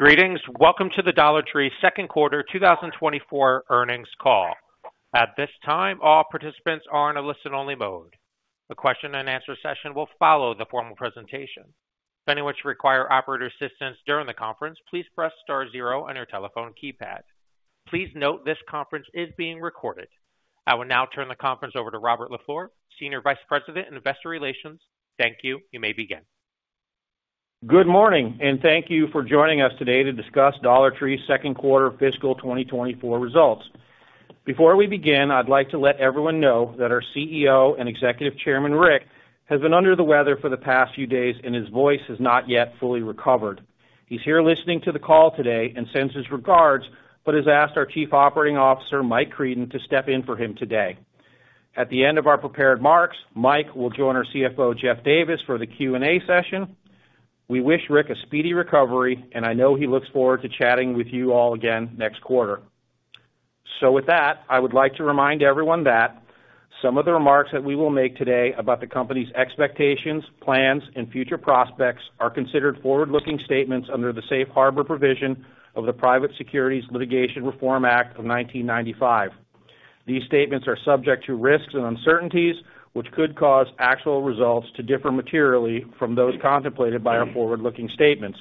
Greetings! Welcome to the Dollar Tree Second Quarter 2024 Earnings Call. At this time, all participants are in a listen-only mode. A question-and-answer session will follow the formal presentation. If any of you require operator assistance during the conference, please press star zero on your telephone keypad. Please note, this conference is being recorded. I will now turn the conference over to Robert LaFleur, Senior Vice President, Investor Relations. Thank you. You may begin. Good morning, and thank you for joining us today to discuss Dollar Tree's second quarter fiscal 2024 results. Before we begin, I'd like to let everyone know that our CEO and Executive Chairman, Rick, has been under the weather for the past few days, and his voice has not yet fully recovered. He's here listening to the call today and sends his regards, but has asked our Chief Operating Officer, Mike Creedon, to step in for him today. At the end of our prepared remarks, Mike will join our CFO, Jeff Davis, for the Q&A session. We wish Rick a speedy recovery, and I know he looks forward to chatting with you all again next quarter. So with that, I would like to remind everyone that some of the remarks that we will make today about the company's expectations, plans, and future prospects are considered forward-looking statements under the Safe Harbor provision of the Private Securities Litigation Reform Act of 1995. These statements are subject to risks and uncertainties, which could cause actual results to differ materially from those contemplated by our forward-looking statements.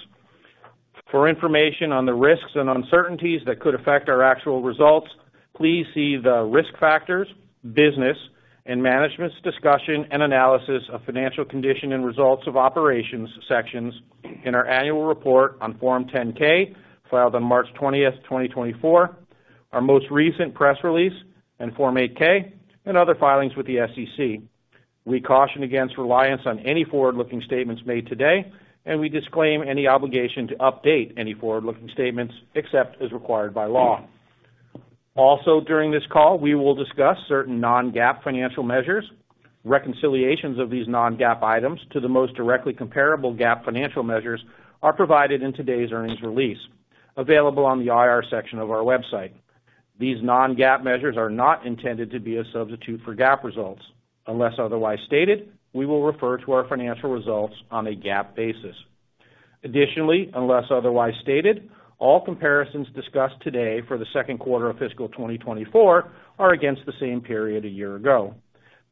For information on the risks and uncertainties that could affect our actual results, please see the Risk Factors, Business, and Management's Discussion and Analysis of Financial Condition and Results of Operations sections in our annual report on Form 10-K, filed on March 20th, 2024, our most recent press release, and Form 8-K, and other filings with the SEC. We caution against reliance on any forward-looking statements made today, and we disclaim any obligation to update any forward-looking statements except as required by law. Also, during this call, we will discuss certain non-GAAP financial measures. Reconciliations of these non-GAAP items to the most directly comparable GAAP financial measures are provided in today's earnings release, available on the IR section of our website. These non-GAAP measures are not intended to be a substitute for GAAP results. Unless otherwise stated, we will refer to our financial results on a GAAP basis. Additionally, unless otherwise stated, all comparisons discussed today for the second quarter of fiscal twenty twenty-four are against the same period a year ago.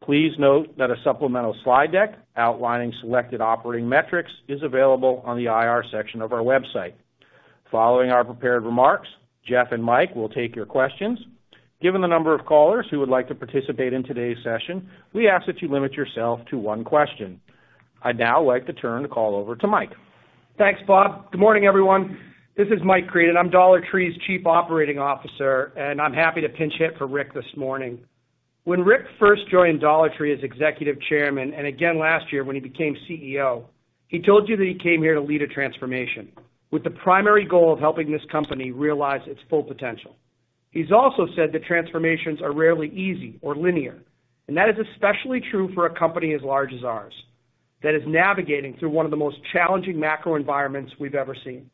Please note that a supplemental slide deck outlining selected operating metrics is available on the IR section of our website. Following our prepared remarks, Jeff and Mike will take your questions. Given the number of callers who would like to participate in today's session, we ask that you limit yourself to one question. I'd now like to turn the call over to Mike. Thanks, Bob. Good morning, everyone. This is Mike Creedon. I'm Dollar Tree's Chief Operating Officer, and I'm happy to pinch hit for Rick this morning. When Rick first joined Dollar Tree as Executive Chairman, and again last year when he became CEO, he told you that he came here to lead a transformation, with the primary goal of helping this company realize its full potential. He's also said that transformations are rarely easy or linear, and that is especially true for a company as large as ours, that is navigating through one of the most challenging macro environments we've ever seen.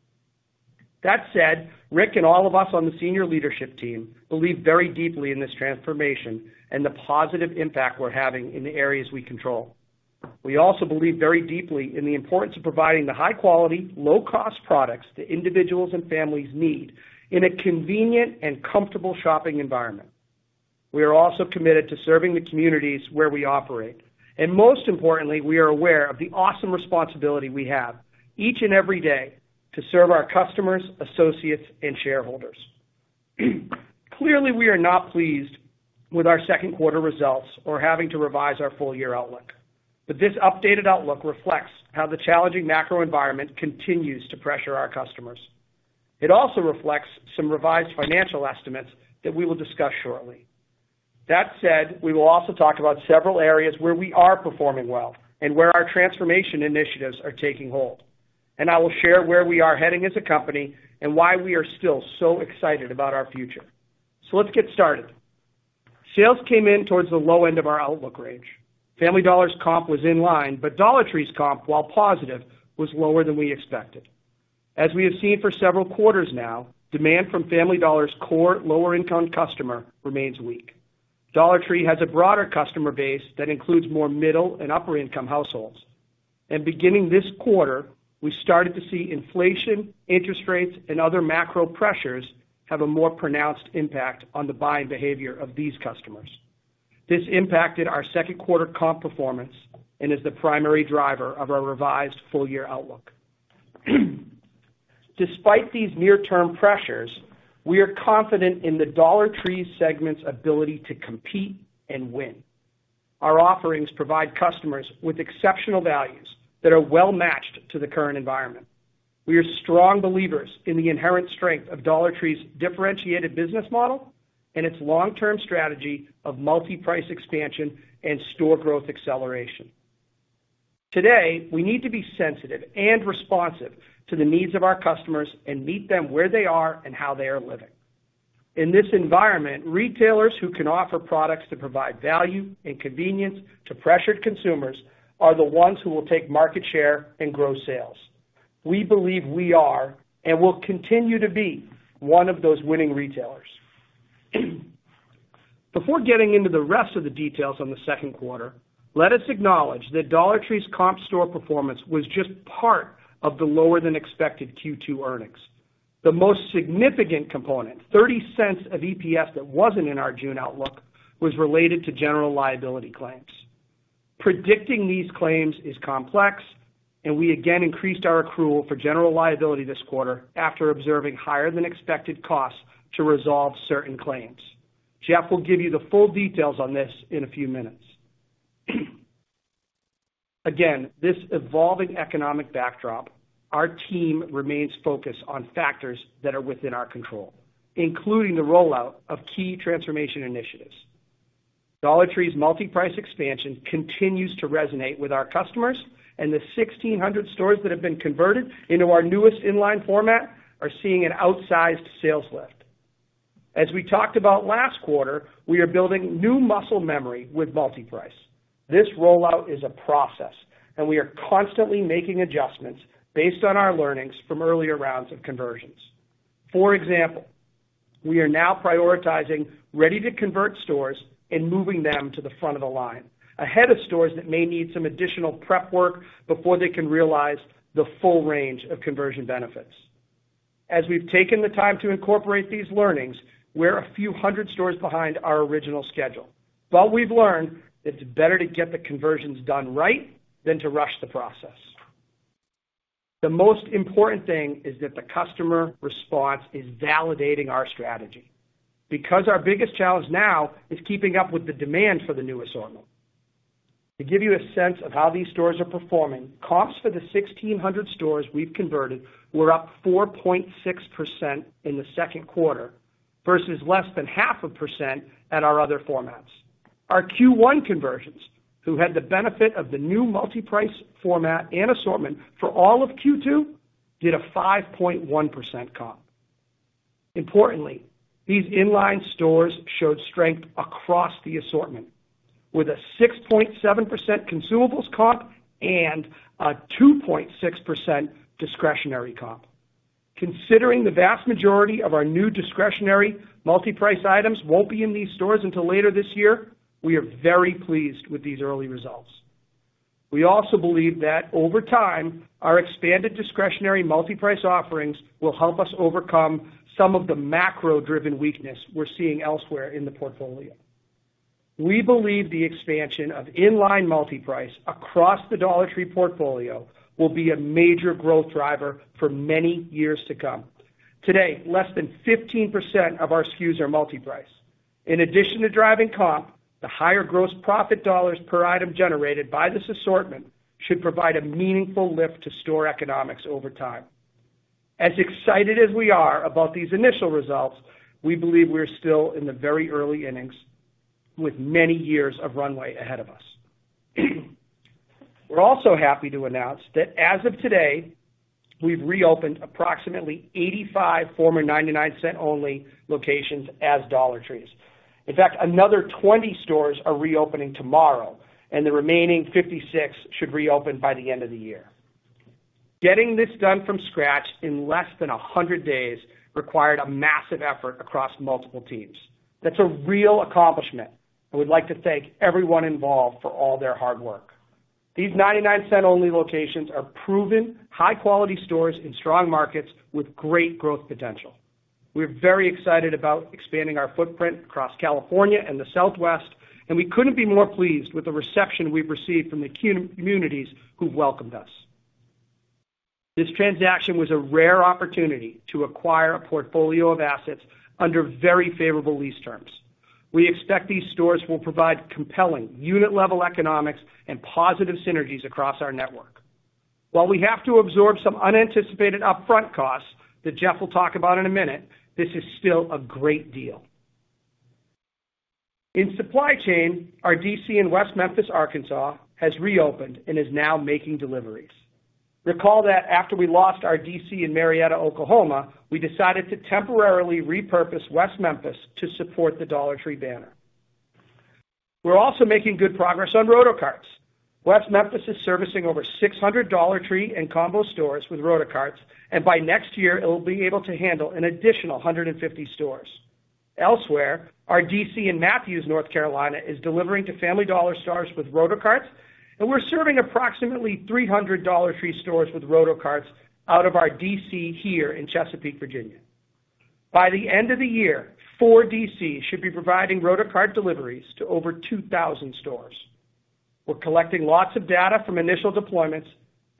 That said, Rick and all of us on the senior leadership team believe very deeply in this transformation and the positive impact we're having in the areas we control. We also believe very deeply in the importance of providing the high-quality, low-cost products that individuals and families need in a convenient and comfortable shopping environment. We are also committed to serving the communities where we operate, and most importantly, we are aware of the awesome responsibility we have each and every day to serve our customers, associates, and shareholders. Clearly, we are not pleased with our second quarter results or having to revise our full-year outlook, but this updated outlook reflects how the challenging macro environment continues to pressure our customers. It also reflects some revised financial estimates that we will discuss shortly. That said, we will also talk about several areas where we are performing well and where our transformation initiatives are taking hold. And I will share where we are heading as a company and why we are still so excited about our future. So let's get started. Sales came in towards the low end of our outlook range. Family Dollar's comp was in line, but Dollar Tree's comp, while positive, was lower than we expected. As we have seen for several quarters now, demand from Family Dollar's core lower-income customer remains weak. Dollar Tree has a broader customer base that includes more middle and upper-income households, and beginning this quarter, we started to see inflation, interest rates, and other macro pressures have a more pronounced impact on the buying behavior of these customers. This impacted our second quarter comp performance and is the primary driver of our revised full-year outlook. Despite these near-term pressures, we are confident in the Dollar Tree segment's ability to compete and win. Our offerings provide customers with exceptional values that are well-matched to the current environment. We are strong believers in the inherent strength of Dollar Tree's differentiated business model and its long-term strategy of multi-price expansion and store growth acceleration. Today, we need to be sensitive and responsive to the needs of our customers and meet them where they are and how they are living. In this environment, retailers who can offer products to provide value and convenience to pressured consumers are the ones who will take market share and grow sales. We believe we are, and will continue to be, one of those winning retailers. Before getting into the rest of the details on the second quarter, let us acknowledge that Dollar Tree's comp store performance was just part of the lower-than-expected Q2 earnings. The most significant component, $0.30 of EPS that wasn't in our June outlook, was related to general liability claims. Predicting these claims is complex, and we again increased our accrual for general liability this quarter after observing higher-than-expected costs to resolve certain claims. Jeff will give you the full details on this in a few minutes. Again, this evolving economic backdrop, our team remains focused on factors that are within our control, including the rollout of key transformation initiatives. Dollar Tree's multi-price expansion continues to resonate with our customers, and the 1,600 stores that have been converted into our newest inline format are seeing an outsized sales lift. As we talked about last quarter, we are building new muscle memory with multi-price. This rollout is a process, and we are constantly making adjustments based on our learnings from earlier rounds of conversions. For example, we are now prioritizing ready-to-convert stores and moving them to the front of the line, ahead of stores that may need some additional prep work before they can realize the full range of conversion benefits. As we've taken the time to incorporate these learnings, we're a few hundred stores behind our original schedule. But we've learned that it's better to get the conversions done right than to rush the process. The most important thing is that the customer response is validating our strategy, because our biggest challenge now is keeping up with the demand for the new assortment. To give you a sense of how these stores are performing, comps for the 1,600 stores we've converted were up 4.6% in the second quarter, versus less than 0.5% at our other formats. Our Q1 conversions, who had the benefit of the new multi-price format and assortment for all of Q2, did a 5.1% comp. Importantly, these inline stores showed strength across the assortment, with a 6.7% consumables comp and a 2.6% discretionary comp. Considering the vast majority of our new discretionary multi-price items won't be in these stores until later this year, we are very pleased with these early results. We also believe that, over time, our expanded discretionary multi-price offerings will help us overcome some of the macro-driven weakness we're seeing elsewhere in the portfolio. We believe the expansion of inline multi-price across the Dollar Tree portfolio will be a major growth driver for many years to come. Today, less than 15% of our SKUs are multi-price. In addition to driving comp, the higher gross profit dollars per item generated by this assortment should provide a meaningful lift to store economics over time. As excited as we are about these initial results, we believe we are still in the very early innings, with many years of runway ahead of us. We're also happy to announce that as of today, we've reopened approximately 85 former 99 Cents Only locations as Dollar Trees. In fact, another 20 stores are reopening tomorrow, and the remaining 56 should reopen by the end of the year. Getting this done from scratch in less than 100 days required a massive effort across multiple teams. That's a real accomplishment, and we'd like to thank everyone involved for all their hard work. These 99 Cents Only locations are proven, high-quality stores in strong markets with great growth potential. We're very excited about expanding our footprint across California and the Southwest, and we couldn't be more pleased with the reception we've received from the communities who've welcomed us. This transaction was a rare opportunity to acquire a portfolio of assets under very favorable lease terms. We expect these stores will provide compelling unit-level economics and positive synergies across our network. While we have to absorb some unanticipated upfront costs, that Jeff will talk about in a minute, this is still a great deal. In supply chain, our DC in West Memphis, Arkansas, has reopened and is now making deliveries. Recall that after we lost our DC in Marietta, Oklahoma, we decided to temporarily repurpose West Memphis to support the Dollar Tree banner. We're also making good progress on roto carts. West Memphis is servicing over 600 Dollar Tree and combo stores with roto carts, and by next year, it will be able to handle an additional 150 stores. Elsewhere, our DC in Matthews, North Carolina, is delivering to Family Dollar stores with roto carts, and we're serving approximately 300 Dollar Tree stores with roto carts out of our DC here in Chesapeake, Virginia. By the end of the year, four DCs should be providing roto cart deliveries to over 2000 stores. We're collecting lots of data from initial deployments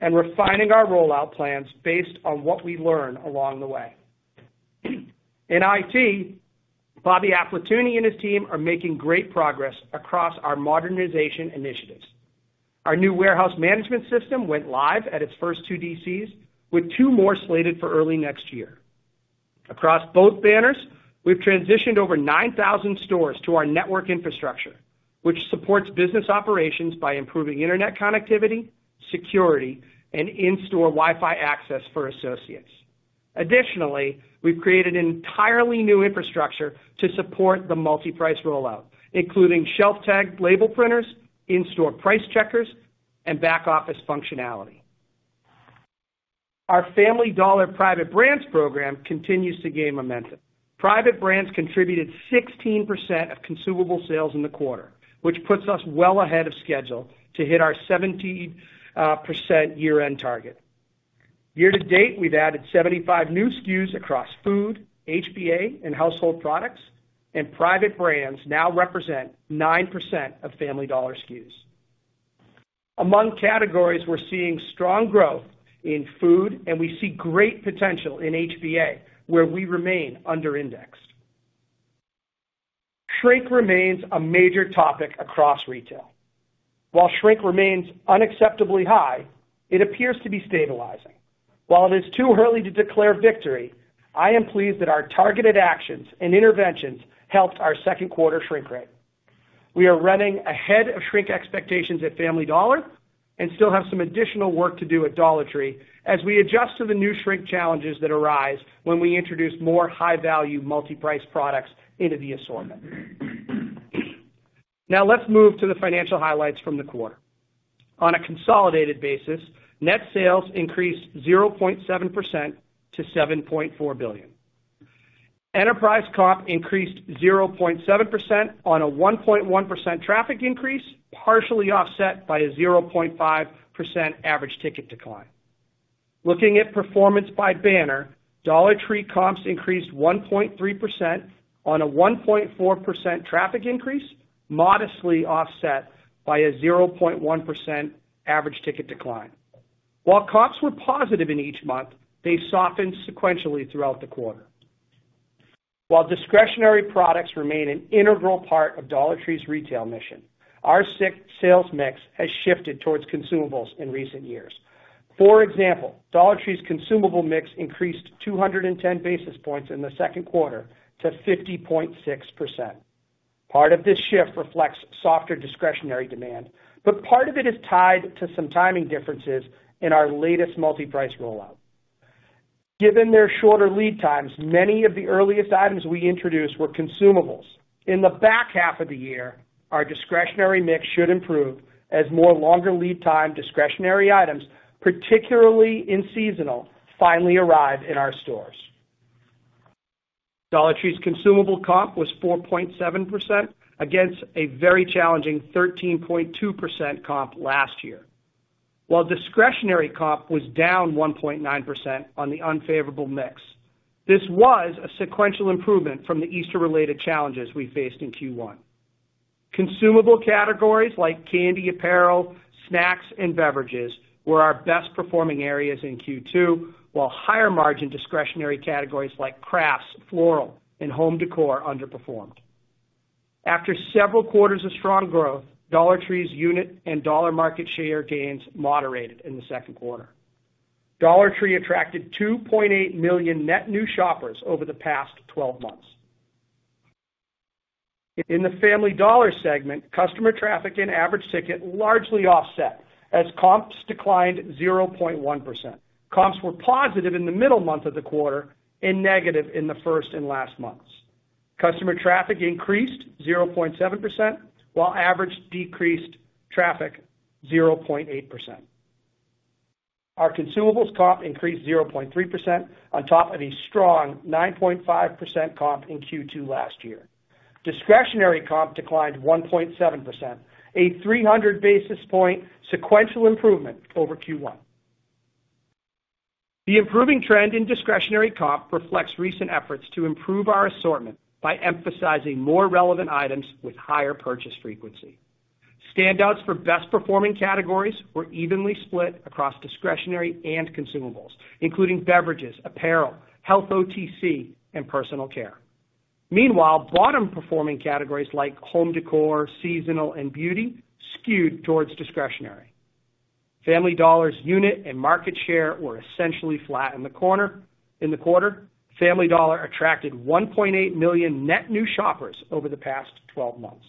and refining our rollout plans based on what we learn along the way. In IT, Bobby Aflatooni and his team are making great progress across our modernization initiatives. Our new warehouse management system went live at its first two DCs, with two more slated for early next year. Across both banners, we've transitioned over nine thousand stores to our network infrastructure, which supports business operations by improving internet connectivity, security, and in-store Wi-Fi access for associates. Additionally, we've created an entirely new infrastructure to support the multi-price rollout, including shelf tag label printers, in-store price checkers, and back-office functionality. Our Family Dollar private brands program continues to gain momentum. Private brands contributed 16% of consumable sales in the quarter, which puts us well ahead of schedule to hit our 17% year-end target. Year-to-date, we've added seventy-five new SKUs across food, HBA, and household products, and private brands now represent 9% of Family Dollar SKUs. Among categories, we're seeing strong growth in food, and we see great potential in HBA, where we remain underindexed. Shrink remains a major topic across retail. While shrink remains unacceptably high, it appears to be stabilizing. While it is too early to declare victory, I am pleased that our targeted actions and interventions helped our second quarter shrink rate. We are running ahead of shrink expectations at Family Dollar and still have some additional work to do at Dollar Tree as we adjust to the new shrink challenges that arise when we introduce more high-value multi-price products into the assortment. Now, let's move to the financial highlights from the quarter. On a consolidated basis, net sales increased 0.7% to $7.4 billion. Enterprise comp increased 0.7% on a 1.1% traffic increase, partially offset by a 0.5% average ticket decline. Looking at performance by banner, Dollar Tree comps increased 1.3% on a 1.4% traffic increase, modestly offset by a 0.1% average ticket decline. While comps were positive in each month, they softened sequentially throughout the quarter. While discretionary products remain an integral part of Dollar Tree's retail mission, our sales mix has shifted towards consumables in recent years. For example, Dollar Tree's consumable mix increased 210 basis points in the second quarter to 50.6%. Part of this shift reflects softer discretionary demand, but part of it is tied to some timing differences in our latest multi-price rollout. Given their shorter lead times, many of the earliest items we introduced were consumables. In the back half of the year, our discretionary mix should improve as more longer lead time discretionary items, particularly in seasonal, finally arrive in our stores. Dollar Tree's consumable comp was 4.7% against a very challenging 13.2% comp last year, while discretionary comp was down 1.9% on the unfavorable mix. This was a sequential improvement from the Easter-related challenges we faced in Q1. Consumable categories like candy, apparel, snacks, and beverages were our best-performing areas in Q2, while higher-margin discretionary categories like Crafts, Floral, and Home Decor underperformed. After several quarters of strong growth, Dollar Tree's unit and dollar market share gains moderated in the second quarter. Dollar Tree attracted 2.8 million net new shoppers over the past 12 months. In the Family Dollar segment, customer traffic and average ticket largely offset, as comps declined 0.1%. Comps were positive in the middle month of the quarter and negative in the first and last months. Customer traffic increased 0.7%, while average ticket decreased 0.8%. Our consumables comp increased 0.3% on top of a strong 9.5% comp in Q2 last year. Discretionary comp declined 1.7%, a 300 basis points sequential improvement over Q1. The improving trend in discretionary comp reflects recent efforts to improve our assortment by emphasizing more relevant items with higher purchase frequency. Standouts for best-performing categories were evenly split across discretionary and consumables, including beverages, apparel, health OTC, and personal care. Meanwhile, bottom-performing categories like Home Decor, Seasonal, and Beauty skewed towards discretionary. Family Dollar's unit and market share were essentially flat in the quarter. Family Dollar attracted 1.8 million net new shoppers over the past twelve months.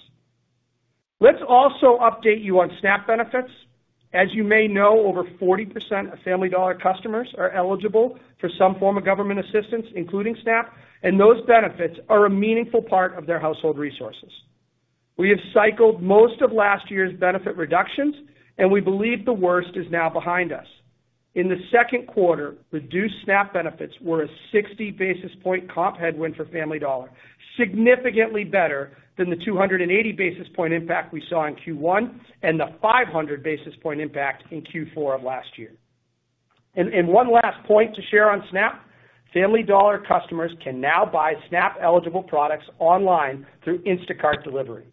Let's also update you on SNAP benefits. As you may know, over 40% of Family Dollar customers are eligible for some form of government assistance, including SNAP, and those benefits are a meaningful part of their household resources. We have cycled most of last year's benefit reductions, and we believe the worst is now behind us. In the second quarter, reduced SNAP benefits were a 60 basis points comp headwind for Family Dollar, significantly better than the 280 basis points impact we saw in Q1 and the 500 basis points impact in Q4 of last year. And one last point to share on SNAP, Family Dollar customers can now buy SNAP-eligible products online through Instacart delivery.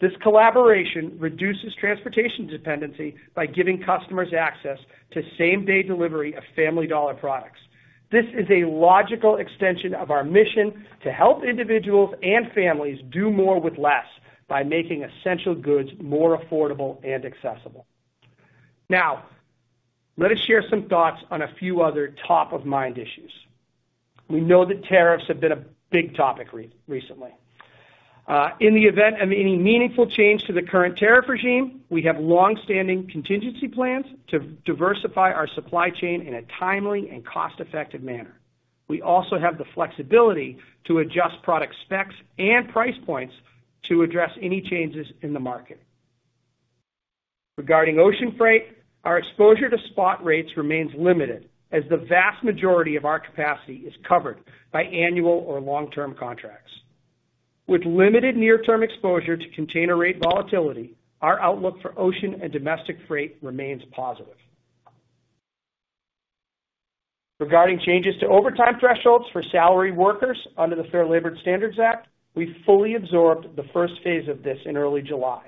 This collaboration reduces transportation dependency by giving customers access to same-day delivery of Family Dollar products. This is a logical extension of our mission to help individuals and families do more with less by making essential goods more affordable and accessible. Now, let us share some thoughts on a few other top-of-mind issues. We know that tariffs have been a big topic recently. In the event of any meaningful change to the current tariff regime, we have long-standing contingency plans to diversify our supply chain in a timely and cost-effective manner. We also have the flexibility to adjust product specs and price points to address any changes in the market. Regarding ocean freight, our exposure to spot rates remains limited as the vast majority of our capacity is covered by annual or long-term contracts. With limited near-term exposure to container rate volatility, our outlook for ocean and domestic freight remains positive. Regarding changes to overtime thresholds for salaried workers under the Fair Labor Standards Act, we fully absorbed the first phase of this in early July.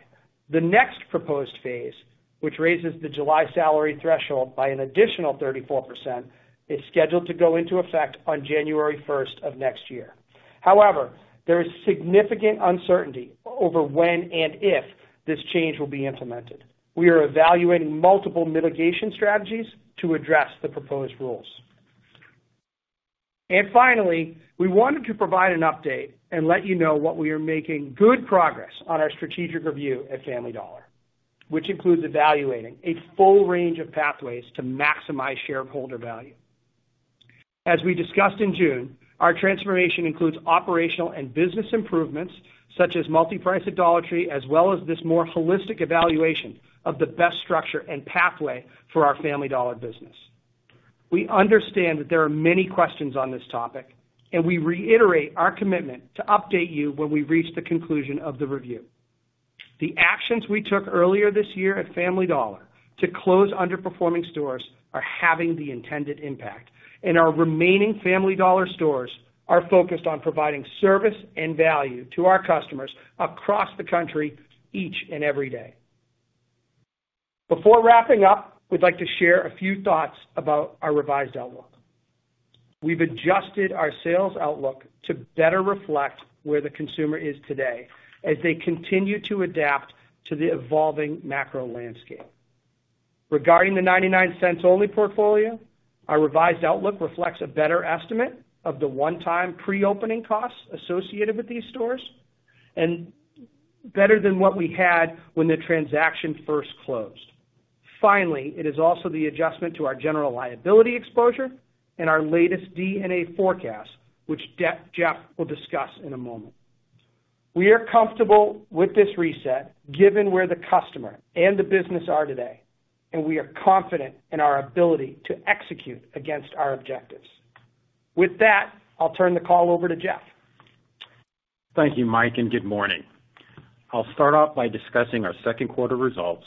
The next proposed phase, which raises the July salary threshold by an additional 34%, is scheduled to go into effect on January first of next year. However, there is significant uncertainty over when and if this change will be implemented. We are evaluating multiple mitigation strategies to address the proposed rules. And finally, we wanted to provide an update and let you know what we are making good progress on our strategic review at Family Dollar, which includes evaluating a full range of pathways to maximize shareholder value. As we discussed in June, our transformation includes operational and business improvements, such as multi-price at Dollar Tree, as well as this more holistic evaluation of the best structure and pathway for our Family Dollar business. We understand that there are many questions on this topic, and we reiterate our commitment to update you when we reach the conclusion of the review. The actions we took earlier this year at Family Dollar to close underperforming stores are having the intended impact, and our remaining Family Dollar stores are focused on providing service and value to our customers across the country each and every day. Before wrapping up, we'd like to share a few thoughts about our revised outlook. We've adjusted our sales outlook to better reflect where the consumer is today as they continue to adapt to the evolving macro landscape. Regarding the 99 Cents Only portfolio, our revised outlook reflects a better estimate of the one-time pre-opening costs associated with these stores and better than what we had when the transaction first closed. Finally, it is also the adjustment to our general liability exposure and our latest D&A forecast, which Jeff will discuss in a moment. We are comfortable with this reset, given where the customer and the business are today, and we are confident in our ability to execute against our objectives. With that, I'll turn the call over to Jeff. Thank you, Mike, and good morning. I'll start off by discussing our second quarter results,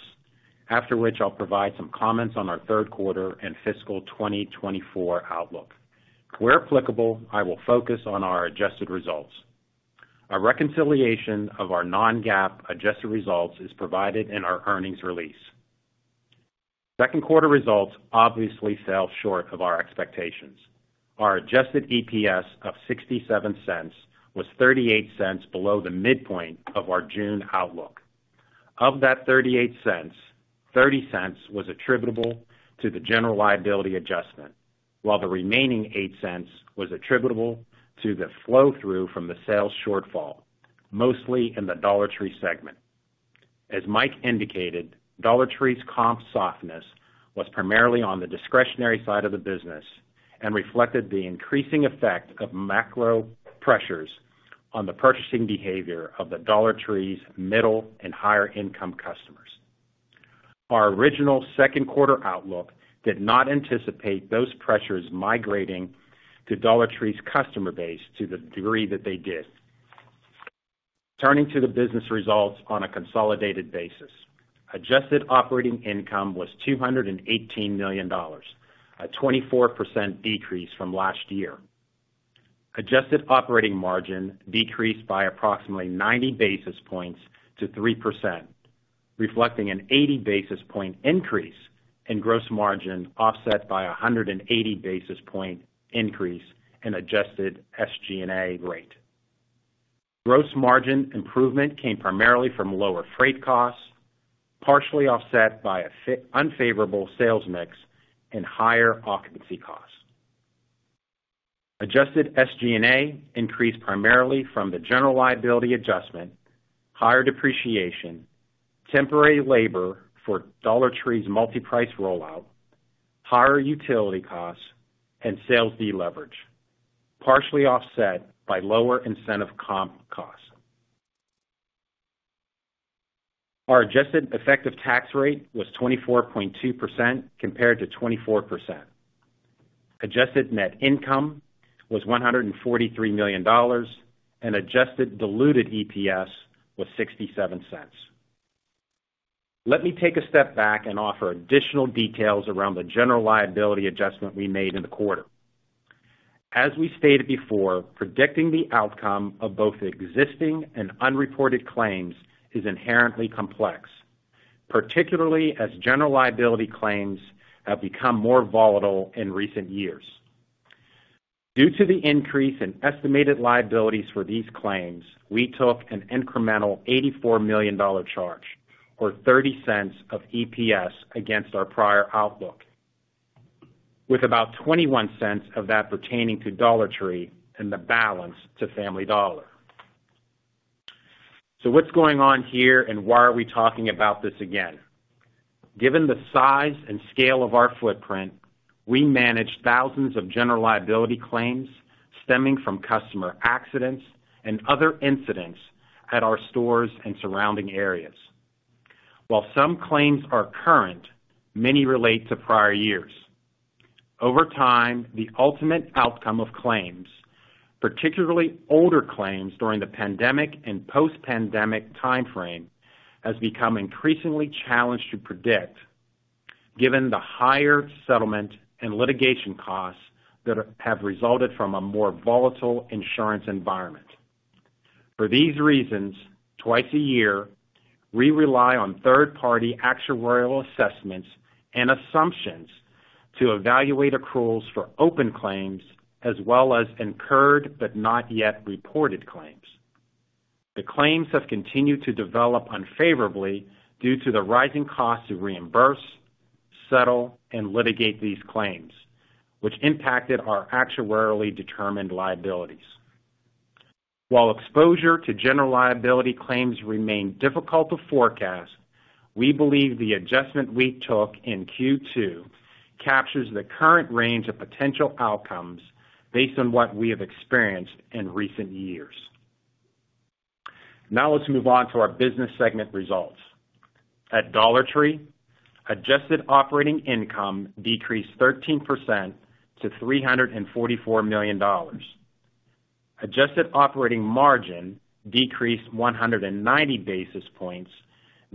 after which I'll provide some comments on our third quarter and fiscal 2024 outlook. Where applicable, I will focus on our adjusted results. A reconciliation of our non-GAAP adjusted results is provided in our earnings release. Second quarter results obviously fell short of our expectations. Our Adjusted EPS of $0.67 was $0.38 below the midpoint of our June outlook. Of that $0.38, $0.30 was attributable to the general liability adjustment, while the remaining $0.08 was attributable to the flow-through from the sales shortfall, mostly in the Dollar Tree segment. As Mike indicated, Dollar Tree's comp softness was primarily on the discretionary side of the business and reflected the increasing effect of macro pressures on the purchasing behavior of the Dollar Tree's middle and higher-income customers. Our original second quarter outlook did not anticipate those pressures migrating to Dollar Tree's customer base to the degree that they did. Turning to the business results on a consolidated basis. Adjusted operating income was $218 million, a 24% decrease from last year. Adjusted operating margin decreased by approximately 90 basis points to 3%, reflecting an 80 basis point increase in gross margin, offset by a 180 basis point increase in adjusted SG&A rate. Gross margin improvement came primarily from lower freight costs, partially offset by an unfavorable sales mix and higher occupancy costs. Adjusted SG&A increased primarily from the general liability adjustment, higher depreciation, temporary labor for Dollar Tree's multi-price rollout, higher utility costs, and sales deleverage, partially offset by lower incentive comp costs. Our adjusted effective tax rate was 24.2% compared to 24%. Adjusted net income was $143 million, and adjusted diluted EPS was $0.67. Let me take a step back and offer additional details around the general liability adjustment we made in the quarter. As we stated before, predicting the outcome of both existing and unreported claims is inherently complex, particularly as general liability claims have become more volatile in recent years. Due to the increase in estimated liabilities for these claims, we took an incremental $84 million dollar charge, or $0.30 of EPS, against our prior outlook, with about $0.21 of that pertaining to Dollar Tree and the balance to Family Dollar. So what's going on here, and why are we talking about this again? Given the size and scale of our footprint, we manage thousands of general liability claims stemming from customer accidents and other incidents at our stores and surrounding areas. While some claims are current, many relate to prior years. Over time, the ultimate outcome of claims, particularly older claims during the pandemic and post-pandemic timeframe, has become increasingly challenged to predict, given the higher settlement and litigation costs that have resulted from a more volatile insurance environment. For these reasons, twice a year, we rely on third-party actuarial assessments and assumptions to evaluate accruals for open claims, as well as incurred but not yet reported claims. The claims have continued to develop unfavorably due to the rising costs to reimburse, settle, and litigate these claims, which impacted our actuarially determined liabilities. While exposure to general liability claims remain difficult to forecast, we believe the adjustment we took in Q2 captures the current range of potential outcomes based on what we have experienced in recent years. Now, let's move on to our business segment results. At Dollar Tree, adjusted operating income decreased 13% to $344 million. Adjusted operating margin decreased 190 basis points,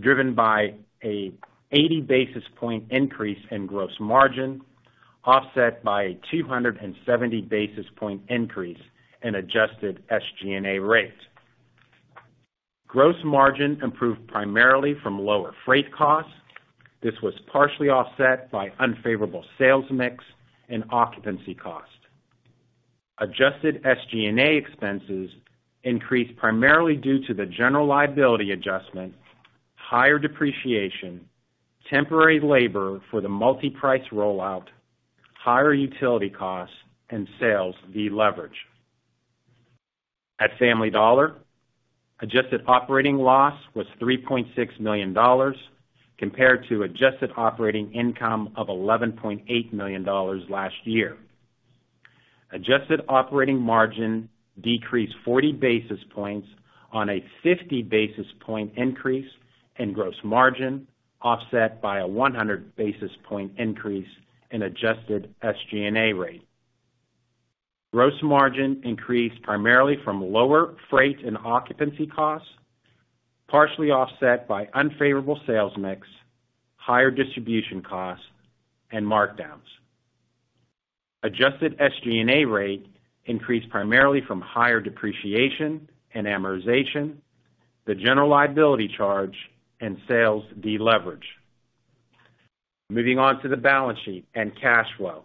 driven by an 80 basis point increase in gross margin, offset by a 270 basis point increase in adjusted SG&A rate. Gross margin improved primarily from lower freight costs. This was partially offset by unfavorable sales mix and occupancy cost. Adjusted SG&A expenses increased primarily due to the general liability adjustment, higher depreciation, temporary labor for the multi-price rollout, higher utility costs, and sales deleverage. At Family Dollar, adjusted operating loss was $3.6 million, compared to adjusted operating income of $11.8 million last year. Adjusted operating margin decreased 40 basis points on a 50 basis point increase in gross margin, offset by a 100 basis point increase in adjusted SG&A rate. Gross margin increased primarily from lower freight and occupancy costs, partially offset by unfavorable sales mix, higher distribution costs, and markdowns. Adjusted SG&A rate increased primarily from higher depreciation and amortization, the general liability charge, and sales deleverage. Moving on to the balance sheet and cash flow.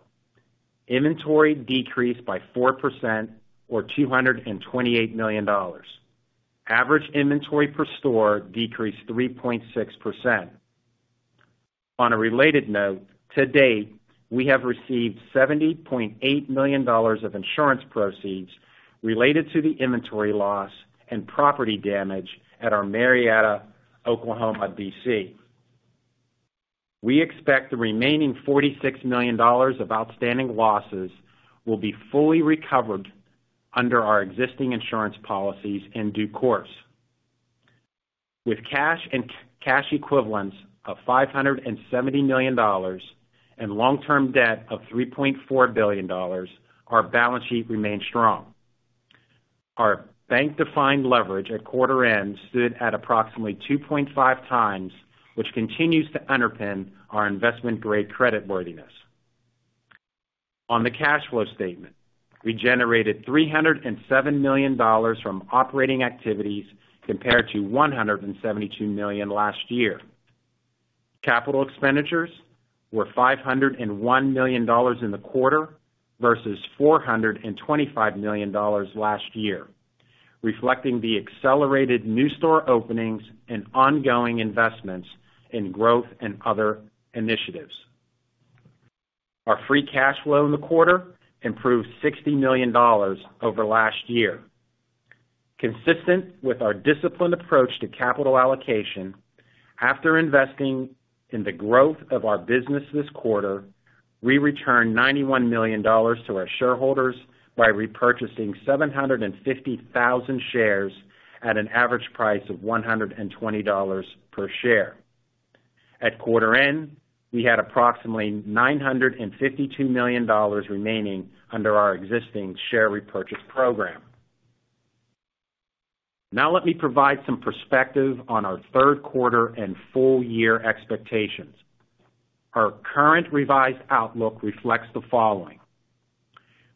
Inventory decreased by 4% or $228 million. Average inventory per store decreased 3.6%. On a related note, to date, we have received $70.8 million of insurance proceeds related to the inventory loss and property damage at our Marietta, Oklahoma, DC. We expect the remaining $46 million of outstanding losses will be fully recovered under our existing insurance policies in due course. With cash and cash equivalents of $570 million and long-term debt of $3.4 billion, our balance sheet remains strong. Our bank-defined leverage at quarter end stood at approximately 2.5 times, which continues to underpin our investment-grade creditworthiness. On the cash flow statement, we generated $307 million from operating activities compared to $172 million last year. Capital expenditures were $501 million in the quarter versus $425 million last year, reflecting the accelerated new store openings and ongoing investments in growth and other initiatives. Our free cash flow in the quarter improved $60 million over last year. Consistent with our disciplined approach to capital allocation, after investing in the growth of our business this quarter, we returned $91 million to our shareholders by repurchasing 750,000 shares at an average price of $120 per share. At quarter end, we had approximately $952 million remaining under our existing share repurchase program. Now, let me provide some perspective on our third quarter and full year expectations. Our current revised outlook reflects the following: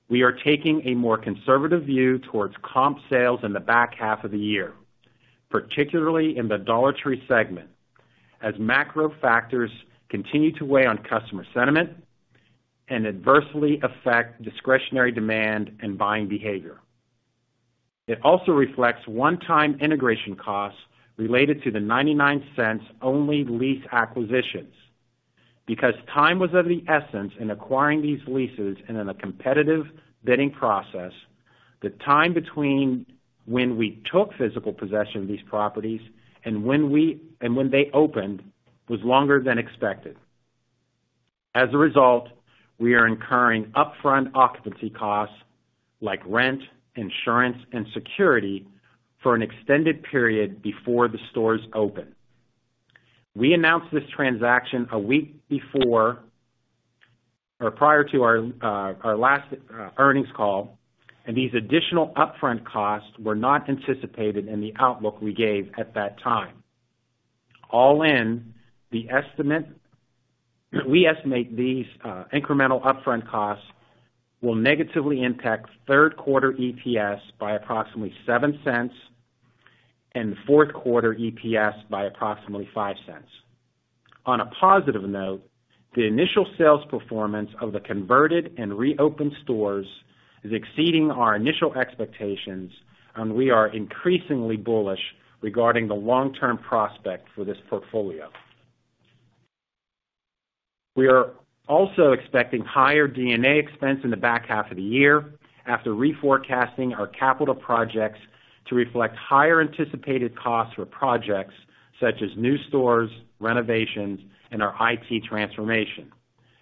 We are taking a more conservative view towards comp sales in the back half of the year, particularly in the Dollar Tree segment, as macro factors continue to weigh on customer sentiment and adversely affect discretionary demand and buying behavior. It also reflects one-time integration costs related to the 99 Cents Only lease acquisitions. Because time was of the essence in acquiring these leases and in a competitive bidding process, the time between when we took physical possession of these properties and when they opened, was longer than expected. As a result, we are incurring upfront occupancy costs like rent, insurance, and security for an extended period before the stores open. We announced this transaction a week before or prior to our last earnings call, and these additional upfront costs were not anticipated in the outlook we gave at that time. All in, we estimate these incremental upfront costs will negatively impact third quarter EPS by approximately $0.07 and fourth quarter EPS by approximately $0.05. On a positive note, the initial sales performance of the converted and reopened stores is exceeding our initial expectations, and we are increasingly bullish regarding the long-term prospect for this portfolio. We are also expecting higher DNA expense in the back half of the year after reforecasting our capital projects to reflect higher anticipated costs for projects such as new stores, renovations, and our IT transformation,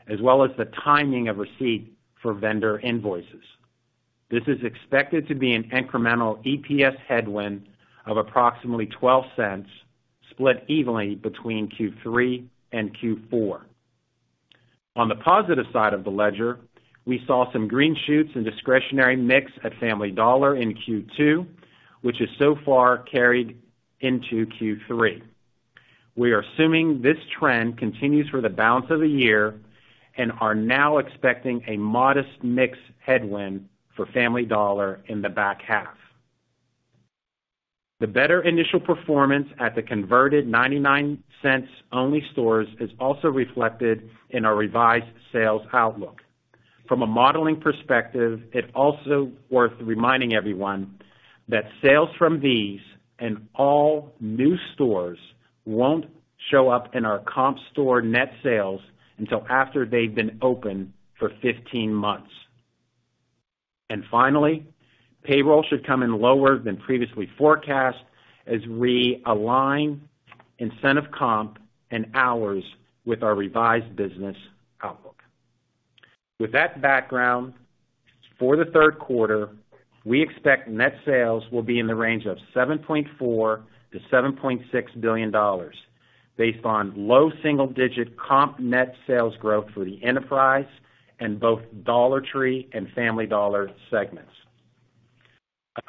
as well as the timing of receipt for vendor invoices. This is expected to be an incremental EPS headwind of approximately $0.12, split evenly between Q3 and Q4. On the positive side of the ledger, we saw some green shoots in discretionary mix at Family Dollar in Q2, which is so far carried into Q3. We are assuming this trend continues for the balance of the year and are now expecting a modest mix headwind for Family Dollar in the back half. The better initial performance at the converted 99 Cents Only stores is also reflected in our revised sales outlook. From a modeling perspective, it's also worth reminding everyone that sales from these and all new stores won't show up in our comp store net sales until after they've been open for fifteen months. Finally, payroll should come in lower than previously forecast as we align incentive comp and hours with our revised business outlook. With that background, for the third quarter, we expect net sales will be in the range of $7.4 billion-$7.6 billion, based on low single-digit comp net sales growth for the enterprise and both Dollar Tree and Family Dollar segments.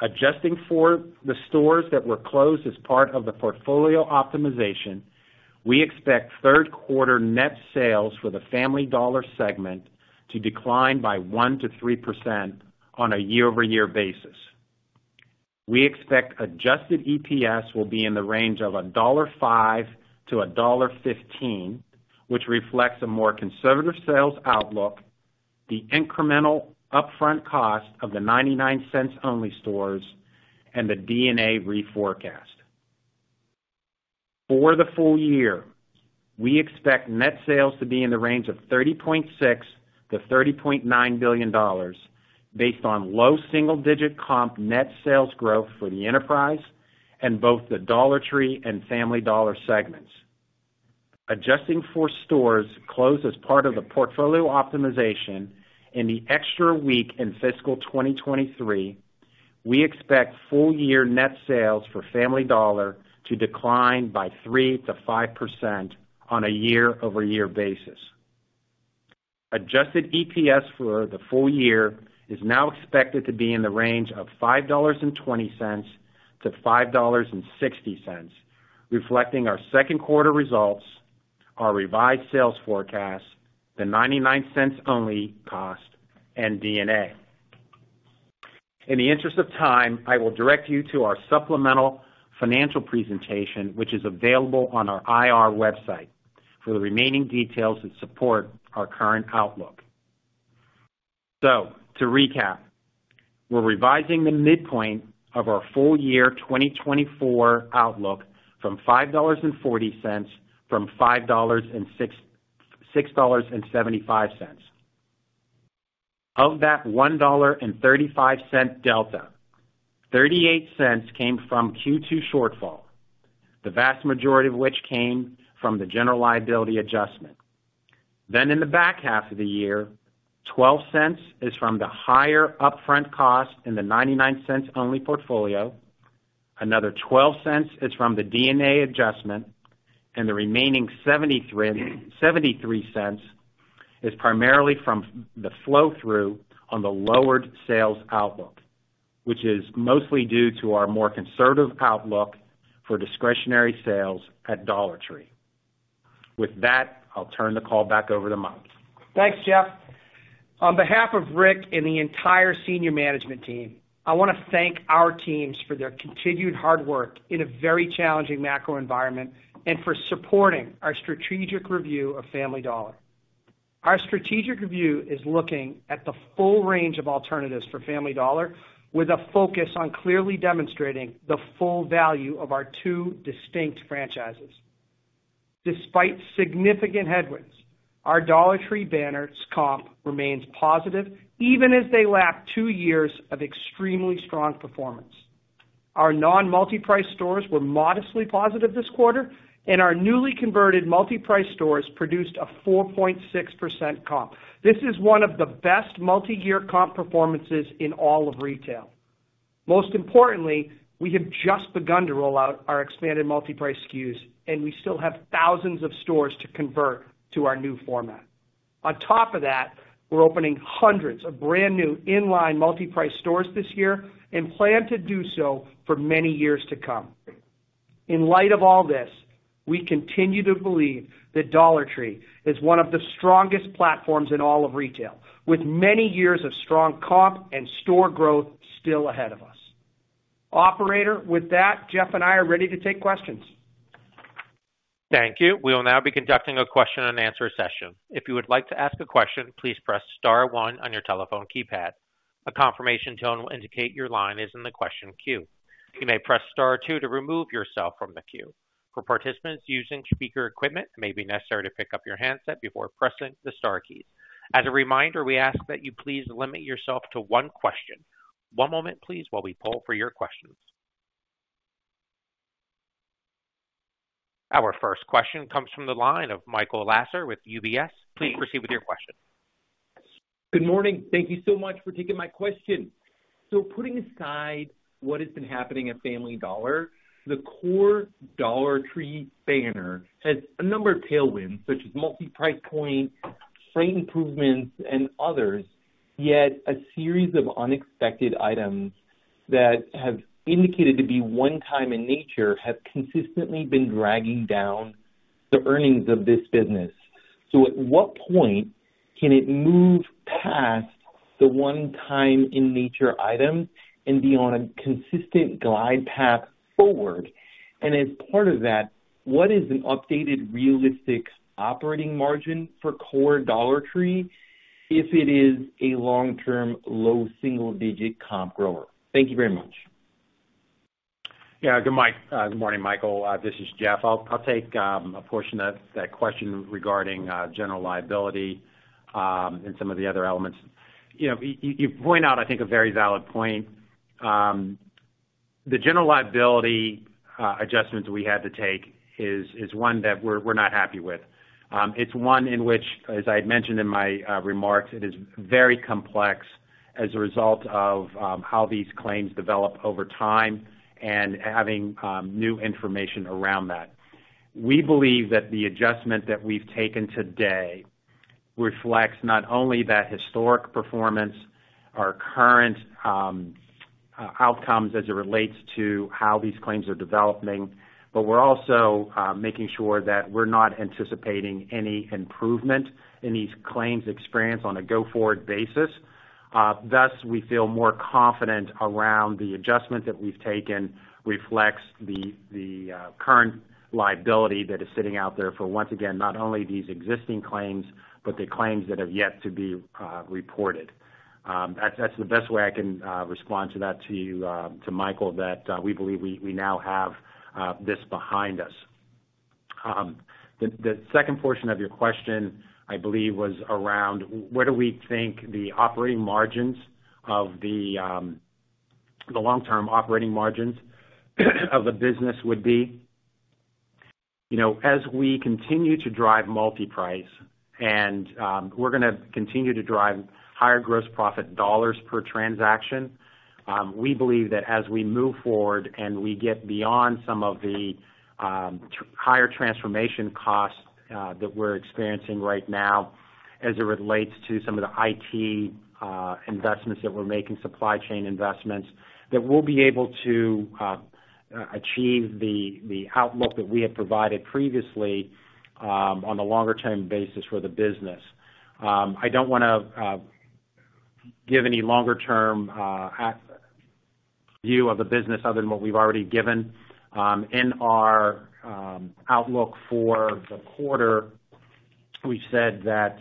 Adjusting for the stores that were closed as part of the portfolio optimization, we expect third quarter net sales for the Family Dollar segment to decline by 1%-3% on a year-over-year basis. We expect Adjusted EPS will be in the range of $1.05-$1.15, which reflects a more conservative sales outlook, the incremental upfront cost of the 99 Cents Only Stores, and the DNA reforecast. For the full year, we expect net sales to be in the range of $30.6 billion-$30.9 billion, based on low single-digit comp net sales growth for the enterprise and both the Dollar Tree and Family Dollar segments. Adjusting for stores closed as part of the portfolio optimization and the extra week in fiscal 2023, we expect full year net sales for Family Dollar to decline by 3%-5% on a year-over-year basis. Adjusted EPS for the full year is now expected to be in the range of $5.20-$5.60, reflecting our second quarter results, our revised sales forecast, the 99 Cents Only cost, and DNA. In the interest of time, I will direct you to our supplemental financial presentation, which is available on our IR website, for the remaining details that support our current outlook. So to recap, we're revising the midpoint of our full year 2024 outlook to $5.40 from $6.75. Of that $1.35 delta, $0.38 came from Q2 shortfall, the vast majority of which came from the general liability adjustment. Then in the back half of the year, $0.12 is from the higher upfront cost in the 99 Cents Only portfolio, another $0.12 is from the DNA adjustment, and the remaining $0.73 is primarily from the flow-through on the lowered sales outlook, which is mostly due to our more conservative outlook for discretionary sales at Dollar Tree. With that, I'll turn the call back over to Mike. Thanks, Jeff. On behalf of Rick and the entire senior management team, I want to thank our teams for their continued hard work in a very challenging macro environment and for supporting our strategic review of Family Dollar. Our strategic review is looking at the full range of alternatives for Family Dollar, with a focus on clearly demonstrating the full value of our two distinct franchises. Despite significant headwinds, our Dollar Tree banner's comp remains positive, even as they lap two years of extremely strong performance. Our non-multi-price stores were modestly positive this quarter, and our newly converted multi-price stores produced a 4.6% comp. This is one of the best multi-year comp performances in all of retail. Most importantly, we have just begun to roll out our expanded multi-price SKUs, and we still have thousands of stores to convert to our new format. On top of that, we're opening hundreds of brand new in-line multi-price stores this year and plan to do so for many years to come. In light of all this, we continue to believe that Dollar Tree is one of the strongest platforms in all of retail, with many years of strong comp and store growth still ahead of us. Operator, with that, Jeff and I are ready to take questions. Thank you. We will now be conducting a question-and-answer session. If you would like to ask a question, please press star one on your telephone keypad. A confirmation tone will indicate your line is in the question queue. You may press star two to remove yourself from the queue. For participants using speaker equipment, it may be necessary to pick up your handset before pressing the star keys. As a reminder, we ask that you please limit yourself to one question. One moment, please, while we poll for your questions. Our first question comes from the line of Michael Lasser with UBS. Please proceed with your question. Good morning. Thank you so much for taking my question. So putting aside what has been happening at Family Dollar, the core Dollar Tree banner has a number of tailwinds, such as multi-price, freight improvements, and others, yet a series of unexpected items that have been indicated to be one-time in nature have consistently been dragging down the earnings of this business. So at what point can it move past the one-time in nature item and be on a consistent glide path forward? And as part of that, what is an updated, realistic operating margin for core Dollar Tree if it is a long-term, low single-digit comp grower? Thank you very much. Yeah. Good morning, Michael. This is Jeff. I'll take a portion of that question regarding general liability and some of the other elements. You know, you point out, I think, a very valid point. The general liability adjustment we had to take is one that we're not happy with. It's one in which, as I had mentioned in my remarks, it is very complex as a result of how these claims develop over time and having new information around that. We believe that the adjustment that we've taken today reflects not only that historic performance, our current outcomes as it relates to how these claims are developing, but we're also making sure that we're not anticipating any improvement in these claims experience on a go-forward basis. Thus, we feel more confident around the adjustment that we've taken reflects the current liability that is sitting out there for, once again, not only these existing claims, but the claims that have yet to be reported. That's the best way I can respond to that to you, to Michael, that we believe we now have this behind us. The second portion of your question, I believe, was around where do we think the operating margins of the long-term operating margins of the business would be? You know, as we continue to drive multi-price, and, we're gonna continue to drive higher gross profit dollars per transaction, we believe that as we move forward and we get beyond some of the higher transformation costs that we're experiencing right now as it relates to some of the IT investments that we're making, supply chain investments, that we'll be able to achieve the outlook that we had provided previously on a longer-term basis for the business. I don't wanna give any longer-term view of the business other than what we've already given. In our outlook for the quarter, we said that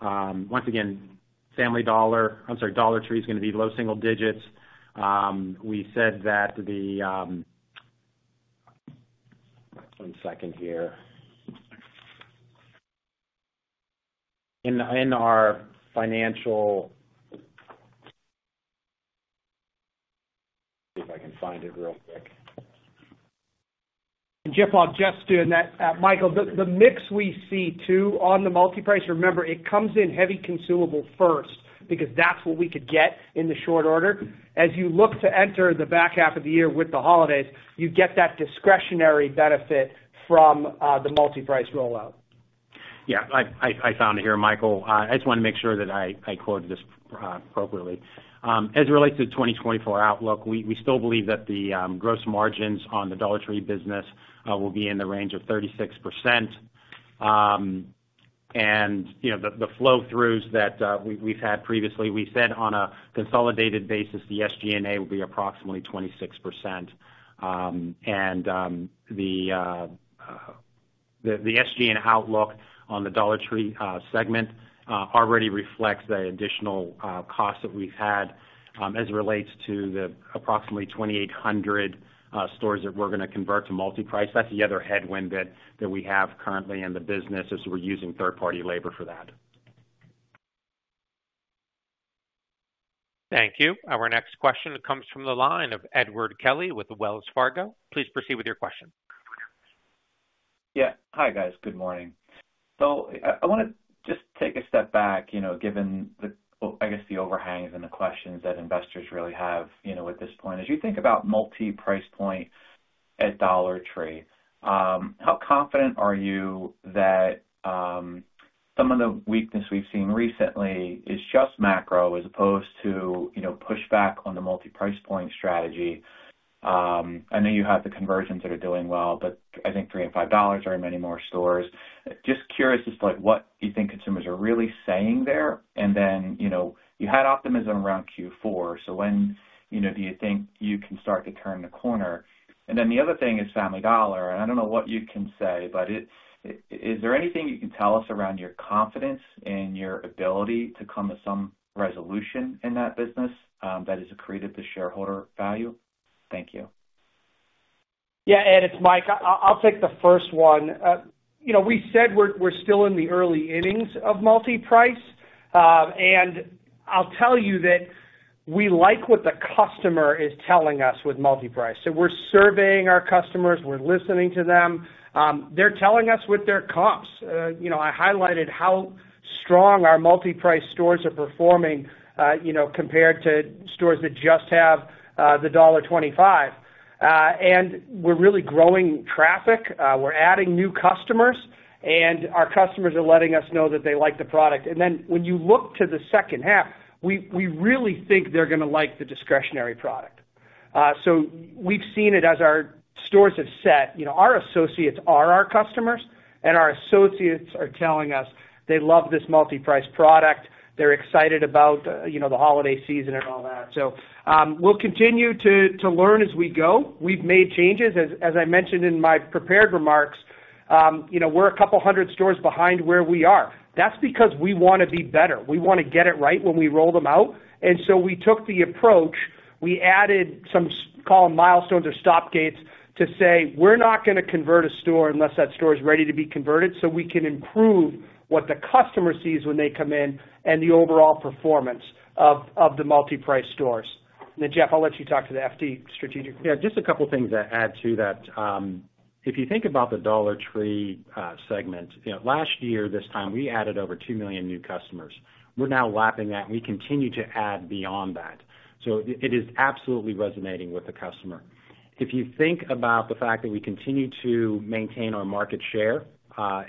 once again, Family Dollar. I'm sorry, Dollar Tree is gonna be low single digits. We said that the... One second here. In our financial... See if I can find it real quick. And Jeff, while Jeff's doing that, Michael, the mix we see, too, on the multi-price, remember, it comes in heavy consumable first, because that's what we could get in the short order. As you look to enter the back half of the year with the holidays, you get that discretionary benefit from the multi-price rollout. Yeah, I found it here, Michael. I just wanna make sure that I quote this appropriately. As it relates to the 2024 outlook, we still believe that the gross margins on the Dollar Tree business will be in the range of 36%. And, you know, the flow-throughs that we've had previously, we said on a consolidated basis, the SG&A will be approximately 26%. The SG&A outlook on the Dollar Tree segment already reflects the additional costs that we've had as it relates to the approximately 2,800 stores that we're gonna convert to multi-price. That's the other headwind that we have currently in the business, is we're using third-party labor for that. Thank you. Our next question comes from the line of Edward Kelly with Wells Fargo. Please proceed with your question. Yeah. Hi, guys. Good morning. So I wanna just take a step back, you know, given the, well, I guess, the overhangs and the questions that investors really have, you know, at this point. As you think about multi-price point at Dollar Tree, how confident are you that some of the weakness we've seen recently is just macro, as opposed to, you know, pushback on the multi-price point strategy? I know you have the conversions that are doing well, but I think three and five dollars are in many more stores. Just curious as to, like, what you think consumers are really saying there. And then, you know, you had optimism around Q4, so when, you know, do you think you can start to turn the corner? The other thing is Family Dollar, and I don't know what you can say, but is there anything you can tell us around your confidence in your ability to come to some resolution in that business, that is accretive to shareholder value? Thank you. Yeah, Ed, it's Mike. I'll take the first one. You know, we said we're still in the early innings of multi-price. And I'll tell you that we like what the customer is telling us with multi-price. So we're surveying our customers, we're listening to them. They're telling us with their comps. You know, I highlighted how strong our multi-price stores are performing, you know, compared to stores that just have the dollar twenty-five. And we're really growing traffic, we're adding new customers, and our customers are letting us know that they like the product. And then when you look to the second half, we really think they're gonna like the discretionary product. So we've seen it as our stores have set. You know, our associates are our customers, and our associates are telling us they love this multi-price product. They're excited about, you know, the holiday season and all that. So, we'll continue to learn as we go. We've made changes. As I mentioned in my prepared remarks, you know, we're a couple hundred stores behind where we are. That's because we wanna be better. We wanna get it right when we roll them out. And so we took the approach, we added some, call them milestones or stop gates, to say: We're not gonna convert a store unless that store is ready to be converted, so we can improve what the customer sees when they come in and the overall performance of the multi-price stores. And then, Jeff, I'll let you talk to the FD strategic. Yeah, just a couple of things to add to that. If you think about the Dollar Tree segment, you know, last year, this time, we added over two million new customers. We're now lapping that, and we continue to add beyond that. So it is absolutely resonating with the customer. If you think about the fact that we continue to maintain our market share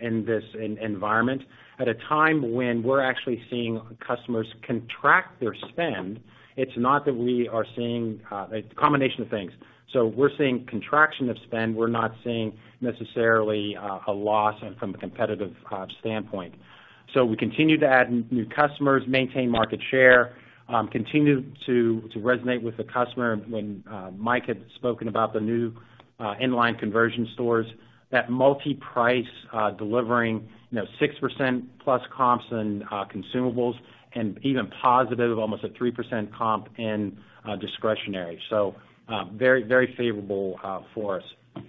in this environment, at a time when we're actually seeing customers contract their spend, it's not that we are seeing a combination of things. So we're seeing contraction of spend, we're not seeing necessarily a loss in from a competitive standpoint. So we continue to add new customers, maintain market share, continue to resonate with the customer. When Mike had spoken about the new inline conversion stores, that multi-price delivering, you know, 6% plus comps and consumables, and even positive, almost a 3% comp in discretionary, so very, very favorable for us.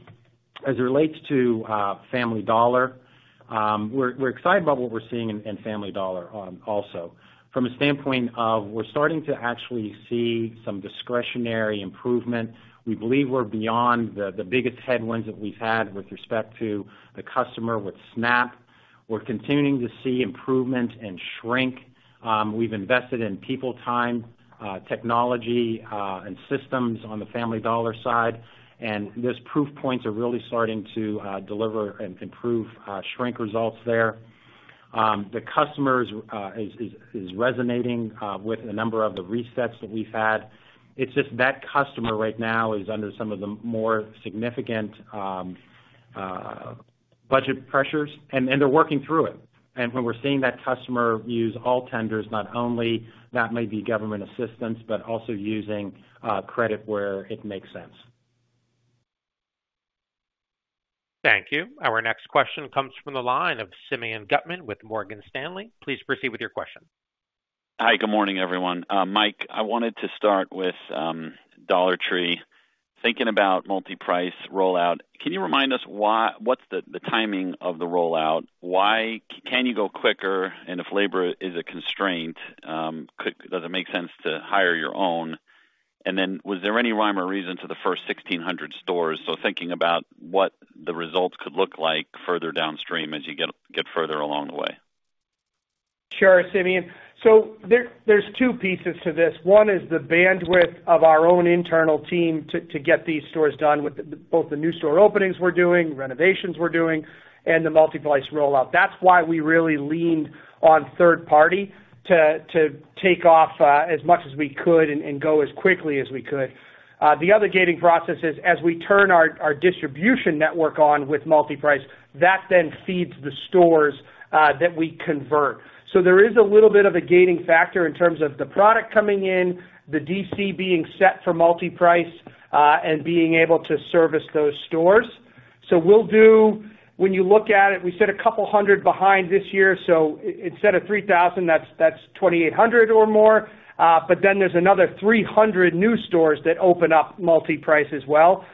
As it relates to Family Dollar, we're excited about what we're seeing in Family Dollar also. From a standpoint of, we're starting to actually see some discretionary improvement. We believe we're beyond the biggest headwinds that we've had with respect to the customer with SNAP. We're continuing to see improvement in shrink. We've invested in people time, technology, and systems on the Family Dollar side, and those proof points are really starting to deliver and improve shrink results there. The customers is resonating with a number of the resets that we've had. It's just that customer right now is under some of the more significant budget pressures, and they're working through it, and when we're seeing that customer use all tenders, not only that might be government assistance, but also using credit where it makes sense. Thank you. Our next question comes from the line of Simeon Gutman with Morgan Stanley. Please proceed with your question. Hi, good morning, everyone. Mike, I wanted to start with Dollar Tree. Thinking about multi-price rollout, can you remind us why what's the timing of the rollout? Why can you go quicker? And if labor is a constraint, does it make sense to hire your own? And then, was there any rhyme or reason to the first 1,600 stores? So thinking about what the results could look like further downstream as you get further along the way. Sure, Simeon. So there's two pieces to this. One is the bandwidth of our own internal team to get these stores done with both the new store openings we're doing, renovations we're doing, and the multi-price rollout. That's why we really leaned on third party to take off as much as we could and go as quickly as we could. The other gating process is, as we turn our distribution network on with multi-price, that then feeds the stores that we convert. So there is a little bit of a gating factor in terms of the product coming in, the DC being set for multi-price and being able to service those stores. So, when you look at it, we'll do. We said a couple hundred behind this year, so instead of 3,000, that's 2,800 or more. But then there's another 300 new stores that open up multi-price as well.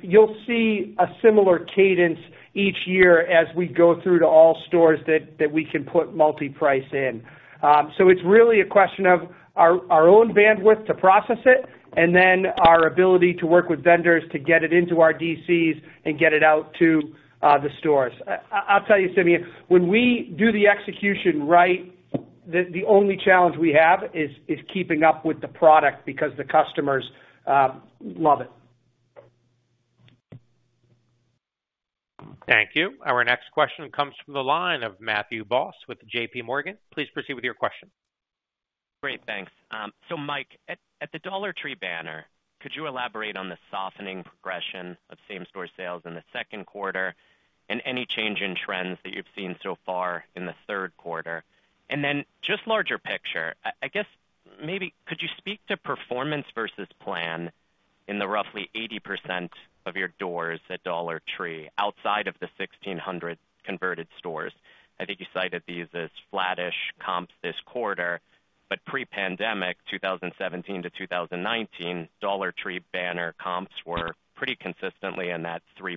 You'll see a similar cadence each year as we go through to all stores that we can put multi-price in. So it's really a question of our own bandwidth to process it, and then our ability to work with vendors to get it into our DCs and get it out to the stores. I'll tell you, Simeon, when we do the execution right, the only challenge we have is keeping up with the product because the customers love it. Thank you. Our next question comes from the line of Matthew Boss, with JP Morgan. Please proceed with your question. Great, thanks. So Mike, at the Dollar Tree banner, could you elaborate on the softening progression of same store sales in the second quarter, and any change in trends that you've seen so far in the third quarter? And then just larger picture, I guess, maybe could you speak to performance versus plan in the roughly 80% of your doors at Dollar Tree, outside of the 1,600 converted stores? I think you cited these as flattish comps this quarter, but pre-pandemic, 2017-2019, Dollar Tree banner comps were pretty consistently in that 3%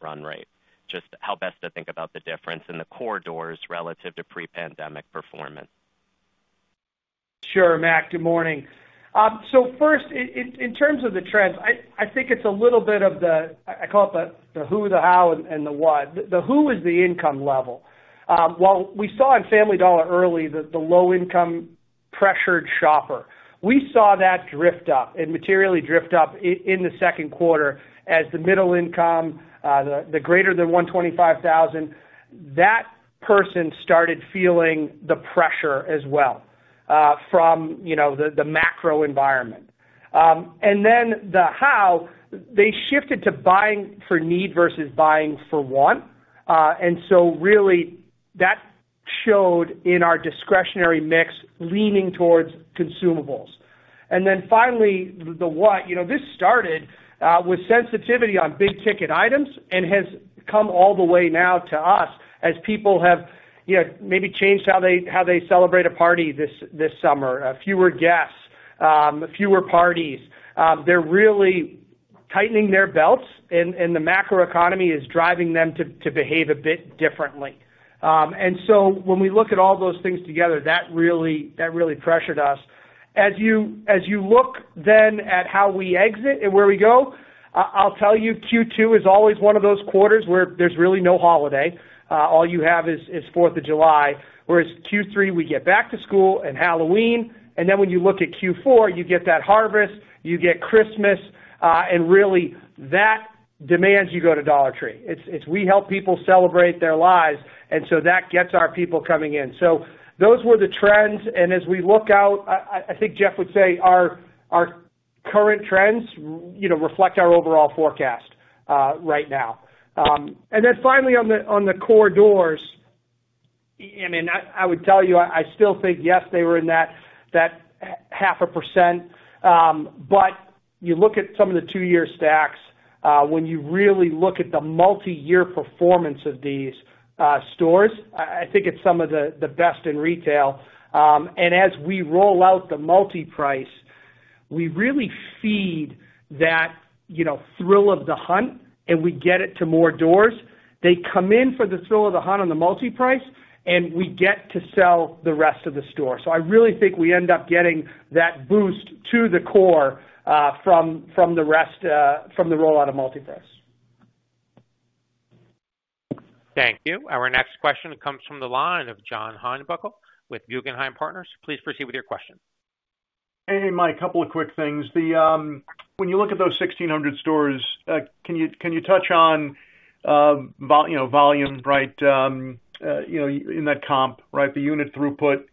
run rate. Just how best to think about the difference in the core doors relative to pre-pandemic performance? Sure, Matt, good morning. So first, in terms of the trends, I think it's a little bit of the, I call it the who, the how, and the what. The who is the income level. While we saw in Family Dollar early, the low income pressured shopper, we saw that drift up and materially drift up in the second quarter as the middle income, the greater than $125,000, that person started feeling the pressure as well, from, you know, the macro environment. And then the how, they shifted to buying for need versus buying for want. And so really, that showed in our discretionary mix, leaning towards consumables. And then finally, the what. You know, this started with sensitivity on big ticket items and has come all the way now to us as people have, you know, maybe changed how they celebrate a party this summer. Fewer guests, fewer parties. They're really tightening their belts, and the macroeconomy is driving them to behave a bit differently, and so when we look at all those things together, that really pressured us. As you look then at how we exit and where we go, I'll tell you, Q2 is always one of those quarters where there's really no holiday. All you have is 4th of July, whereas Q3, we get back to school and Halloween. Then when you look at Q4, you get that harvest, you get Christmas, and really, that demands you go to Dollar Tree. It's we help people celebrate their lives, and so that gets our people coming in. So those were the trends, and as we look out, I think Jeff would say our current trends, you know, reflect our overall forecast right now. And then finally on the core stores, I mean, I would tell you, I still think yes, they were in that 0.5%. But you look at some of the two-year stacks when you really look at the multiyear performance of these stores, I think it's some of the best in retail. And as we roll out the multi-price, we really feed that, you know, thrill of the hunt, and we get it to more doors. They come in for the thrill of the hunt on the multi-price, and we get to sell the rest of the store. So I really think we end up getting that boost to the core from the rollout of multi-price. Thank you. Our next question comes from the line of John Heinbockel with Guggenheim Partners. Please proceed with your question. Hey, Mike, a couple of quick things. When you look at those 1,600 stores, can you, can you touch on vol, you know, volume, right, you know, in that comp, right? The unit throughput,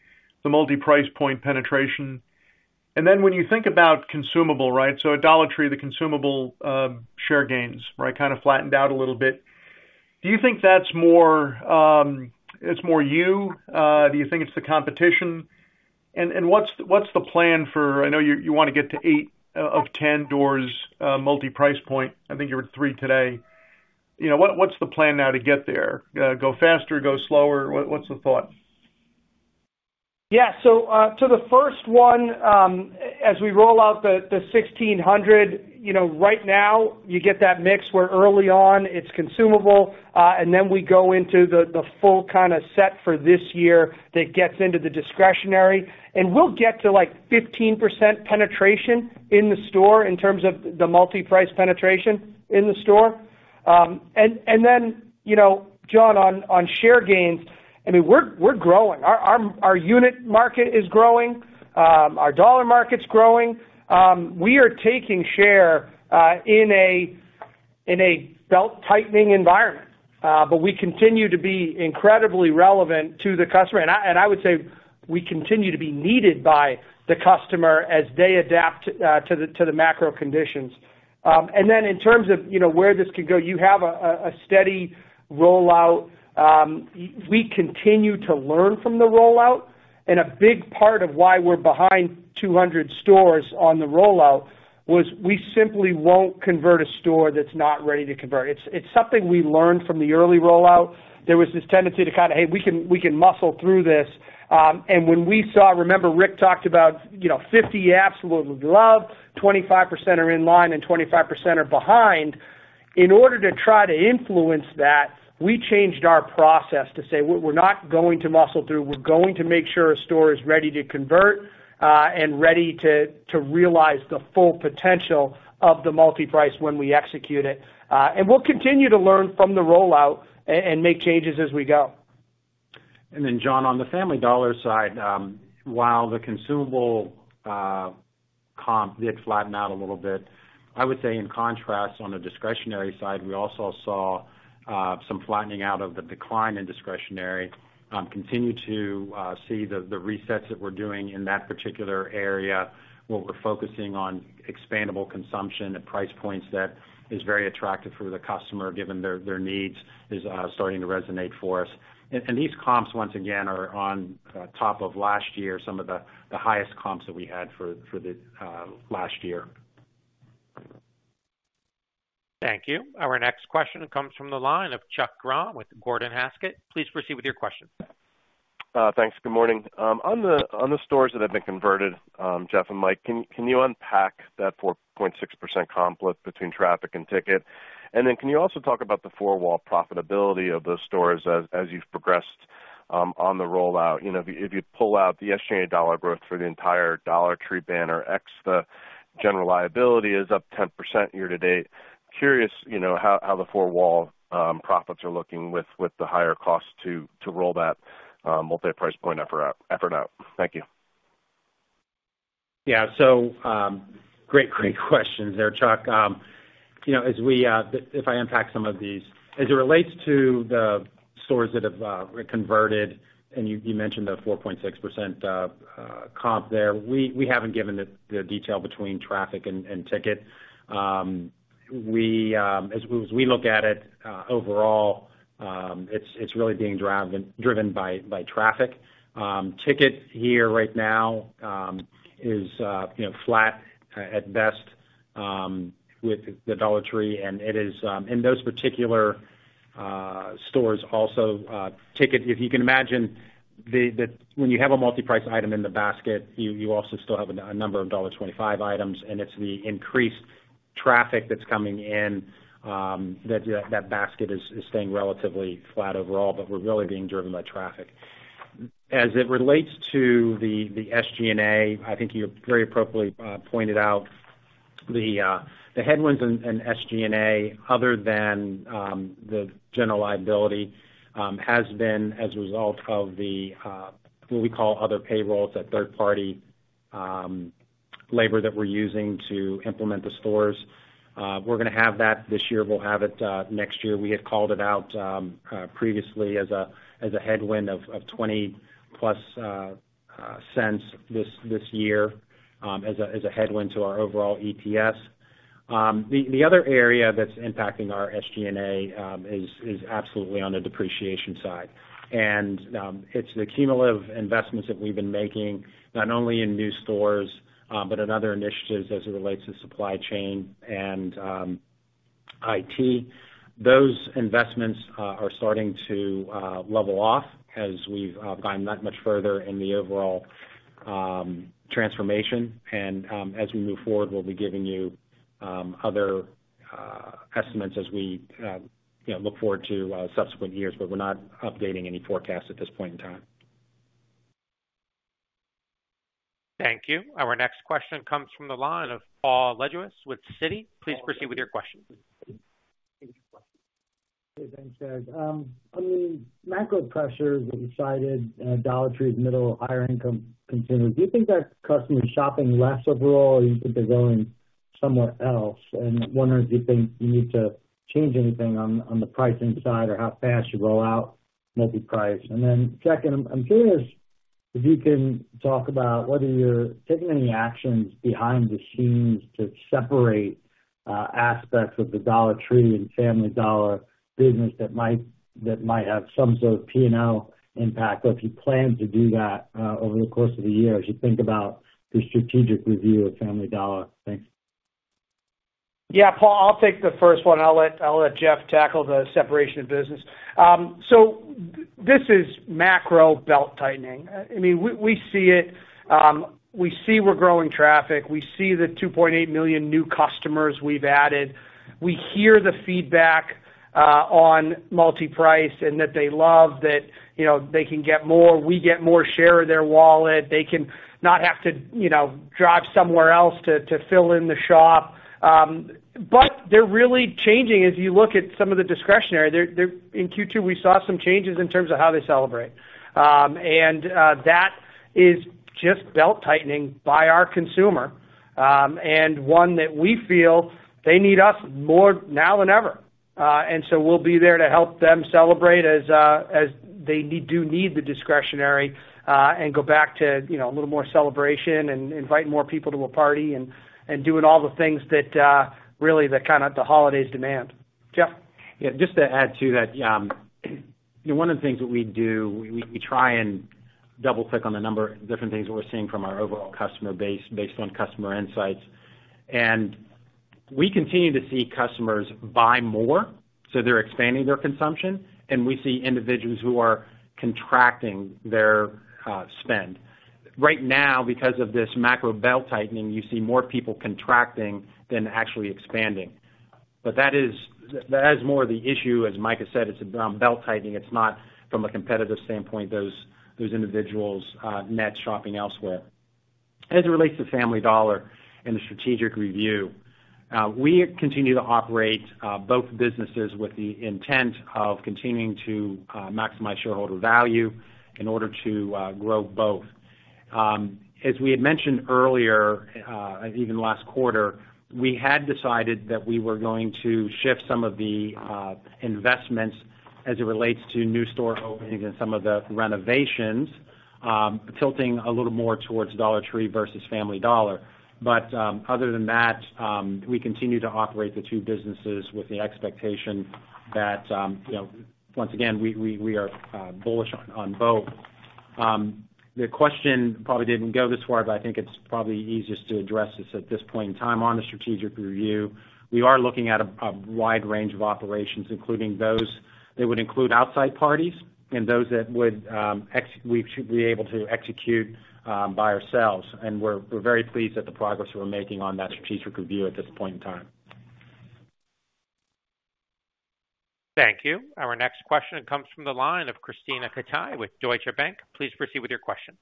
the multi-price point penetration. And then when you think about consumable, right, so at Dollar Tree, the consumable share gains, right, kind of flattened out a little bit. Do you think that's more, it's more you, do you think it's the competition? And, what's the plan for - I know you, you want to get to eight of 10 doors, multi-price point. I think you're at three today. You know, what's the plan now to get there? Go faster, go slower? What's the thought? Yeah. So, to the first one, as we roll out the sixteen hundred, you know, right now, you get that mix where early on it's consumable, and then we go into the full kind of set for this year that gets into the discretionary. And we'll get to, like, 15% penetration in the store in terms of the multi-price penetration in the store. And then, you know, John, on share gains, I mean, we're growing. Our unit market is growing, our dollar market's growing. We are taking share, in a belt-tightening environment, but we continue to be incredibly relevant to the customer. And I would say we continue to be needed by the customer as they adapt, to the macro conditions. And then in terms of, you know, where this could go, you have a steady rollout. We continue to learn from the rollout. And a big part of why we're behind 200 stores on the rollout was we simply won't convert a store that's not ready to convert. It's something we learned from the early rollout. There was this tendency to kind of, hey, we can muscle through this. And when we saw, remember, Rick talked about, you know, 50% absolutely love, 25% are in line, and 25% are behind. In order to try to influence that, we changed our process to say, we're not going to muscle through. We're going to make sure a store is ready to convert, and ready to realize the full potential of the multi-price when we execute it. And we'll continue to learn from the rollout and make changes as we go. And then, John, on the Family Dollar side, while the consumable comp did flatten out a little bit, I would say in contrast, on the discretionary side, we also saw some flattening out of the decline in discretionary. Continue to see the resets that we're doing in that particular area, where we're focusing on expandable consumption at price points that is very attractive for the customer, given their needs, is starting to resonate for us. And these comps, once again, are on top of last year, some of the highest comps that we had for the last year. Thank you. Our next question comes from the line of Chuck Grom with Gordon Haskett. Please proceed with your question. Thanks. Good morning. On the stores that have been converted, Jeff and Mike, can you unpack that 4.6% comp lift between traffic and ticket? And then can you also talk about the four-wall profitability of those stores as you've progressed on the rollout? You know, if you pull out the SG&A dollar growth for the entire Dollar Tree banner, ex the general liability is up 10% year-to-date. Curious, you know, how the four-wall profits are looking with the higher costs to roll that multi-price point effort out. Thank you. Yeah. So, great, great questions there, Chuck. You know, as we, if I unpack some of these, as it relates to the stores that have been converted, and you mentioned the 4.6% comp there, we haven't given the detail between traffic and ticket. As we look at it, overall, it's really being driven by traffic. Ticket here right now, you know, is flat at best with the Dollar Tree, and it is in those particular stores also, ticket. If you can imagine when you have a multi-price item in the basket, you also still have a number of $1.25 items, and it's the increased traffic that's coming in that basket is staying relatively flat overall, but we're really being driven by traffic. As it relates to the SG&A, I think you very appropriately pointed out the headwinds in SG&A, other than the general liability, has been as a result of what we call other payrolls, that third-party labor that we're using to implement the stores. We're gonna have that this year, we'll have it next year. We had called it out previously as a headwind of $0.20+ this year as a headwind to our overall EPS. The other area that's impacting our SG&A is absolutely on the depreciation side, and it's the cumulative investments that we've been making, not only in new stores, but in other initiatives as it relates to supply chain and IT. Those investments are starting to level off as we've gotten that much further in the overall transformation, and as we move forward, we'll be giving you other estimates as we you know look forward to subsequent years, but we're not updating any forecasts at this point in time. Thank you. Our next question comes from the line of Paul Lejuez with Citi. Please proceed with your question. Hey, thanks. On the macro pressures that you cited, Dollar Tree's middle higher income consumer, do you think that customer is shopping less overall, or do you think they're going somewhere else? And I'm wondering if you think you need to change anything on the pricing side or how fast you roll out multi-price. And then second, I'm curious if you can talk about whether you're taking any actions behind the scenes to separate aspects of the Dollar Tree and Family Dollar business that might have some sort of P&L impact, or if you plan to do that over the course of the year, as you think about the strategic review of Family Dollar. Thanks. Yeah, Paul, I'll take the first one, and I'll let Jeff tackle the separation of business. So this is macro belt tightening. I mean, we see it. We see we're growing traffic. We see the 2.8 million new customers we've added. We hear the feedback on multi-price and that they love that, you know, they can get more, we get more share of their wallet. They can not have to, you know, drive somewhere else to fill in the shop. But they're really changing. As you look at some of the discretionary, in Q2, we saw some changes in terms of how they celebrate. That is just belt-tightening by our consumer, and one that we feel they need us more now than ever. and so we'll be there to help them celebrate as they need the discretionary and go back to, you know, a little more celebration and invite more people to a party and doing all the things that really the kind of holidays demand. Jeff? Yeah, just to add to that, you know, one of the things that we do, we try and double-click on the number of different things that we're seeing from our overall customer base based on customer insights. And we continue to see customers buy more, so they're expanding their consumption, and we see individuals who are contracting their spend. Right now, because of this macro belt tightening, you see more people contracting than actually expanding. But that is, that is more the issue, as Mike has said. It's around belt tightening. It's not from a competitive standpoint, those individuals not shopping elsewhere. As it relates to Family Dollar and the strategic review, we continue to operate both businesses with the intent of continuing to maximize shareholder value in order to grow both. As we had mentioned earlier, even last quarter, we had decided that we were going to shift some of the investments as it relates to new store openings and some of the renovations, tilting a little more towards Dollar Tree versus Family Dollar. But, other than that, we continue to operate the two businesses with the expectation that, you know, once again, we are bullish on both. The question probably didn't go this far, but I think it's probably easiest to address this at this point in time. On the strategic review, we are looking at a wide range of operations, including those that would include outside parties and those that we should be able to execute by ourselves, and we're very pleased at the progress we're making on that strategic review at this point in time. Thank you. Our next question comes from the line of Krisztina Katai with Deutsche Bank. Please proceed with your question.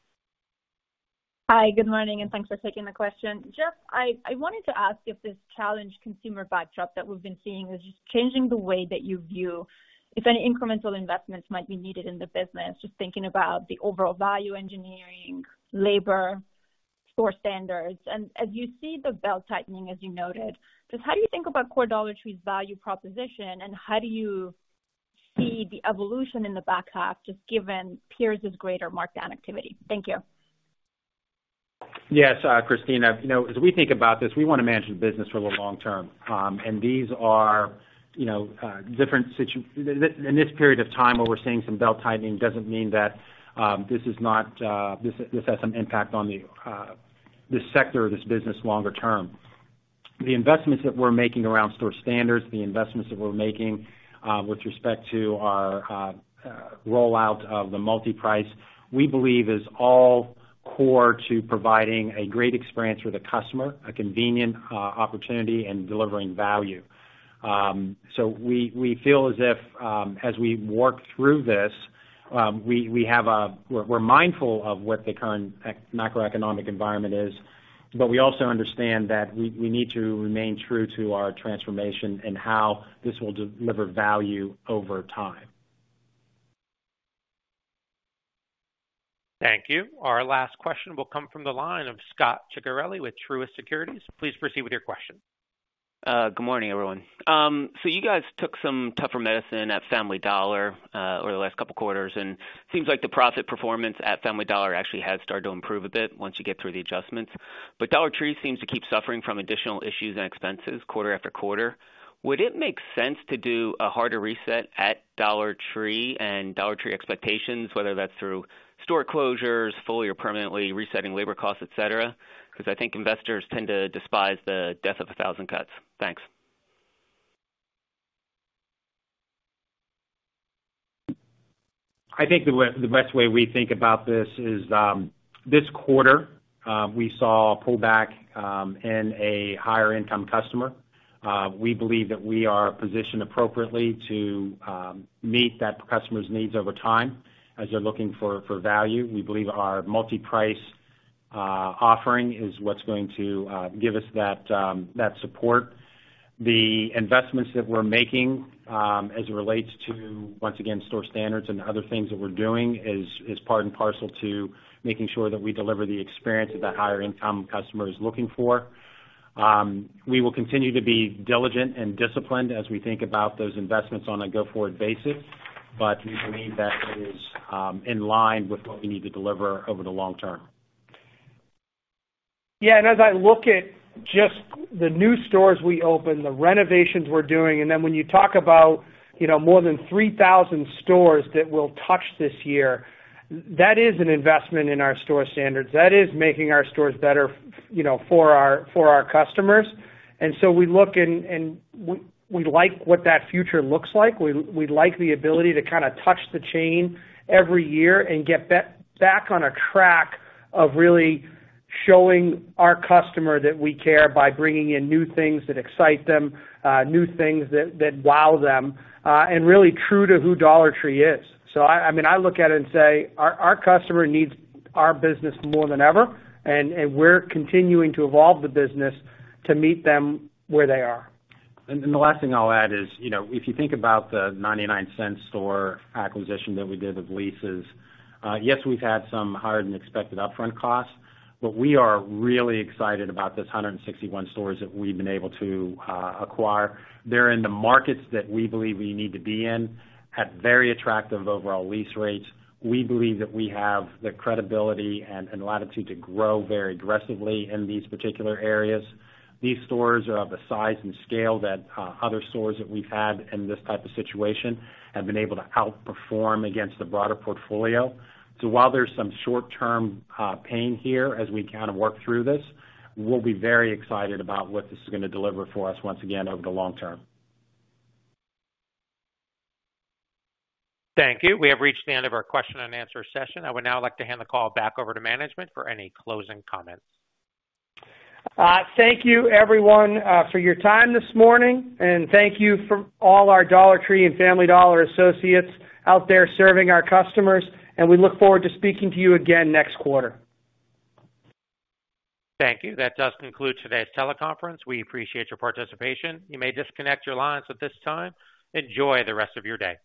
Hi, good morning, and thanks for taking the question. Jeff, I wanted to ask if this challenged consumer backdrop that we've been seeing is changing the way that you view if any incremental investments might be needed in the business, just thinking about the overall value engineering, labor, store standards, and as you see the belt tightening, as you noted, just how do you think about core Dollar Tree's value proposition, and how do you see the evolution in the back half, just given peers' greater markdown activity? Thank you. Yes, Krisztina. You know, as we think about this, we want to manage the business for the long term. And these are, you know, different situations. In this period of time, where we're seeing some belt tightening, doesn't mean that this is not, this, this has some impact on this sector or this business longer term. The investments that we're making around store standards, the investments that we're making, with respect to our rollout of the multi-price, we believe is all core to providing a great experience for the customer, a convenient opportunity and delivering value. So we feel as if, as we work through this, we're mindful of what the current macroeconomic environment is, but we also understand that we need to remain true to our transformation and how this will deliver value over time. Thank you. Our last question will come from the line of Scot Ciccarelli with Truist Securities. Please proceed with your question. Good morning, everyone. So you guys took some tougher medicine at Family Dollar over the last couple of quarters, and seems like the profit performance at Family Dollar actually has started to improve a bit once you get through the adjustments. But Dollar Tree seems to keep suffering from additional issues and expenses quarter after quarter. Would it make sense to do a harder reset at Dollar Tree and Dollar Tree expectations, whether that's through store closures, fully or permanently resetting labor costs, et cetera? Because I think investors tend to despise the death of a thousand cuts. Thanks. I think the best way we think about this is, this quarter, we saw a pullback in a higher income customer. We believe that we are positioned appropriately to meet that customer's needs over time as they're looking for value. We believe our multi-price offering is what's going to give us that support. The investments that we're making as it relates to, once again, store standards and other things that we're doing is part and parcel to making sure that we deliver the experience that that higher income customer is looking for. We will continue to be diligent and disciplined as we think about those investments on a go-forward basis, but we believe that it is in line with what we need to deliver over the long term. Yeah, and as I look at just the new stores we opened, the renovations we're doing, and then when you talk about, you know, more than three thousand stores that we'll touch this year, that is an investment in our store standards. That is making our stores better, you know, for our customers. And so we look and we like what that future looks like. We like the ability to kind of touch the chain every year and get back on a track of really showing our customer that we care by bringing in new things that excite them, new things that wow them, and really true to who Dollar Tree is. I mean, I look at it and say, our customer needs our business more than ever, and we're continuing to evolve the business to meet them where they are. Then the last thing I'll add is, you know, if you think about the 99 Cents Only Stores acquisition that we did of leases, yes, we've had some higher-than-expected upfront costs, but we are really excited about these 161 stores that we've been able to acquire. They're in the markets that we believe we need to be in, at very attractive overall lease rates. We believe that we have the credibility and latitude to grow very aggressively in these particular areas. These stores are of the size and scale that other stores that we've had in this type of situation have been able to outperform against the broader portfolio. So while there's some short-term pain here, as we kind of work through this, we'll be very excited about what this is gonna deliver for us once again over the long term. Thank you. We have reached the end of our question and answer session. I would now like to hand the call back over to management for any closing comments. Thank you, everyone, for your time this morning, and thank you for all our Dollar Tree and Family Dollar associates out there serving our customers, and we look forward to speaking to you again next quarter. Thank you. That does conclude today's teleconference. We appreciate your participation. You may disconnect your lines at this time. Enjoy the rest of your day.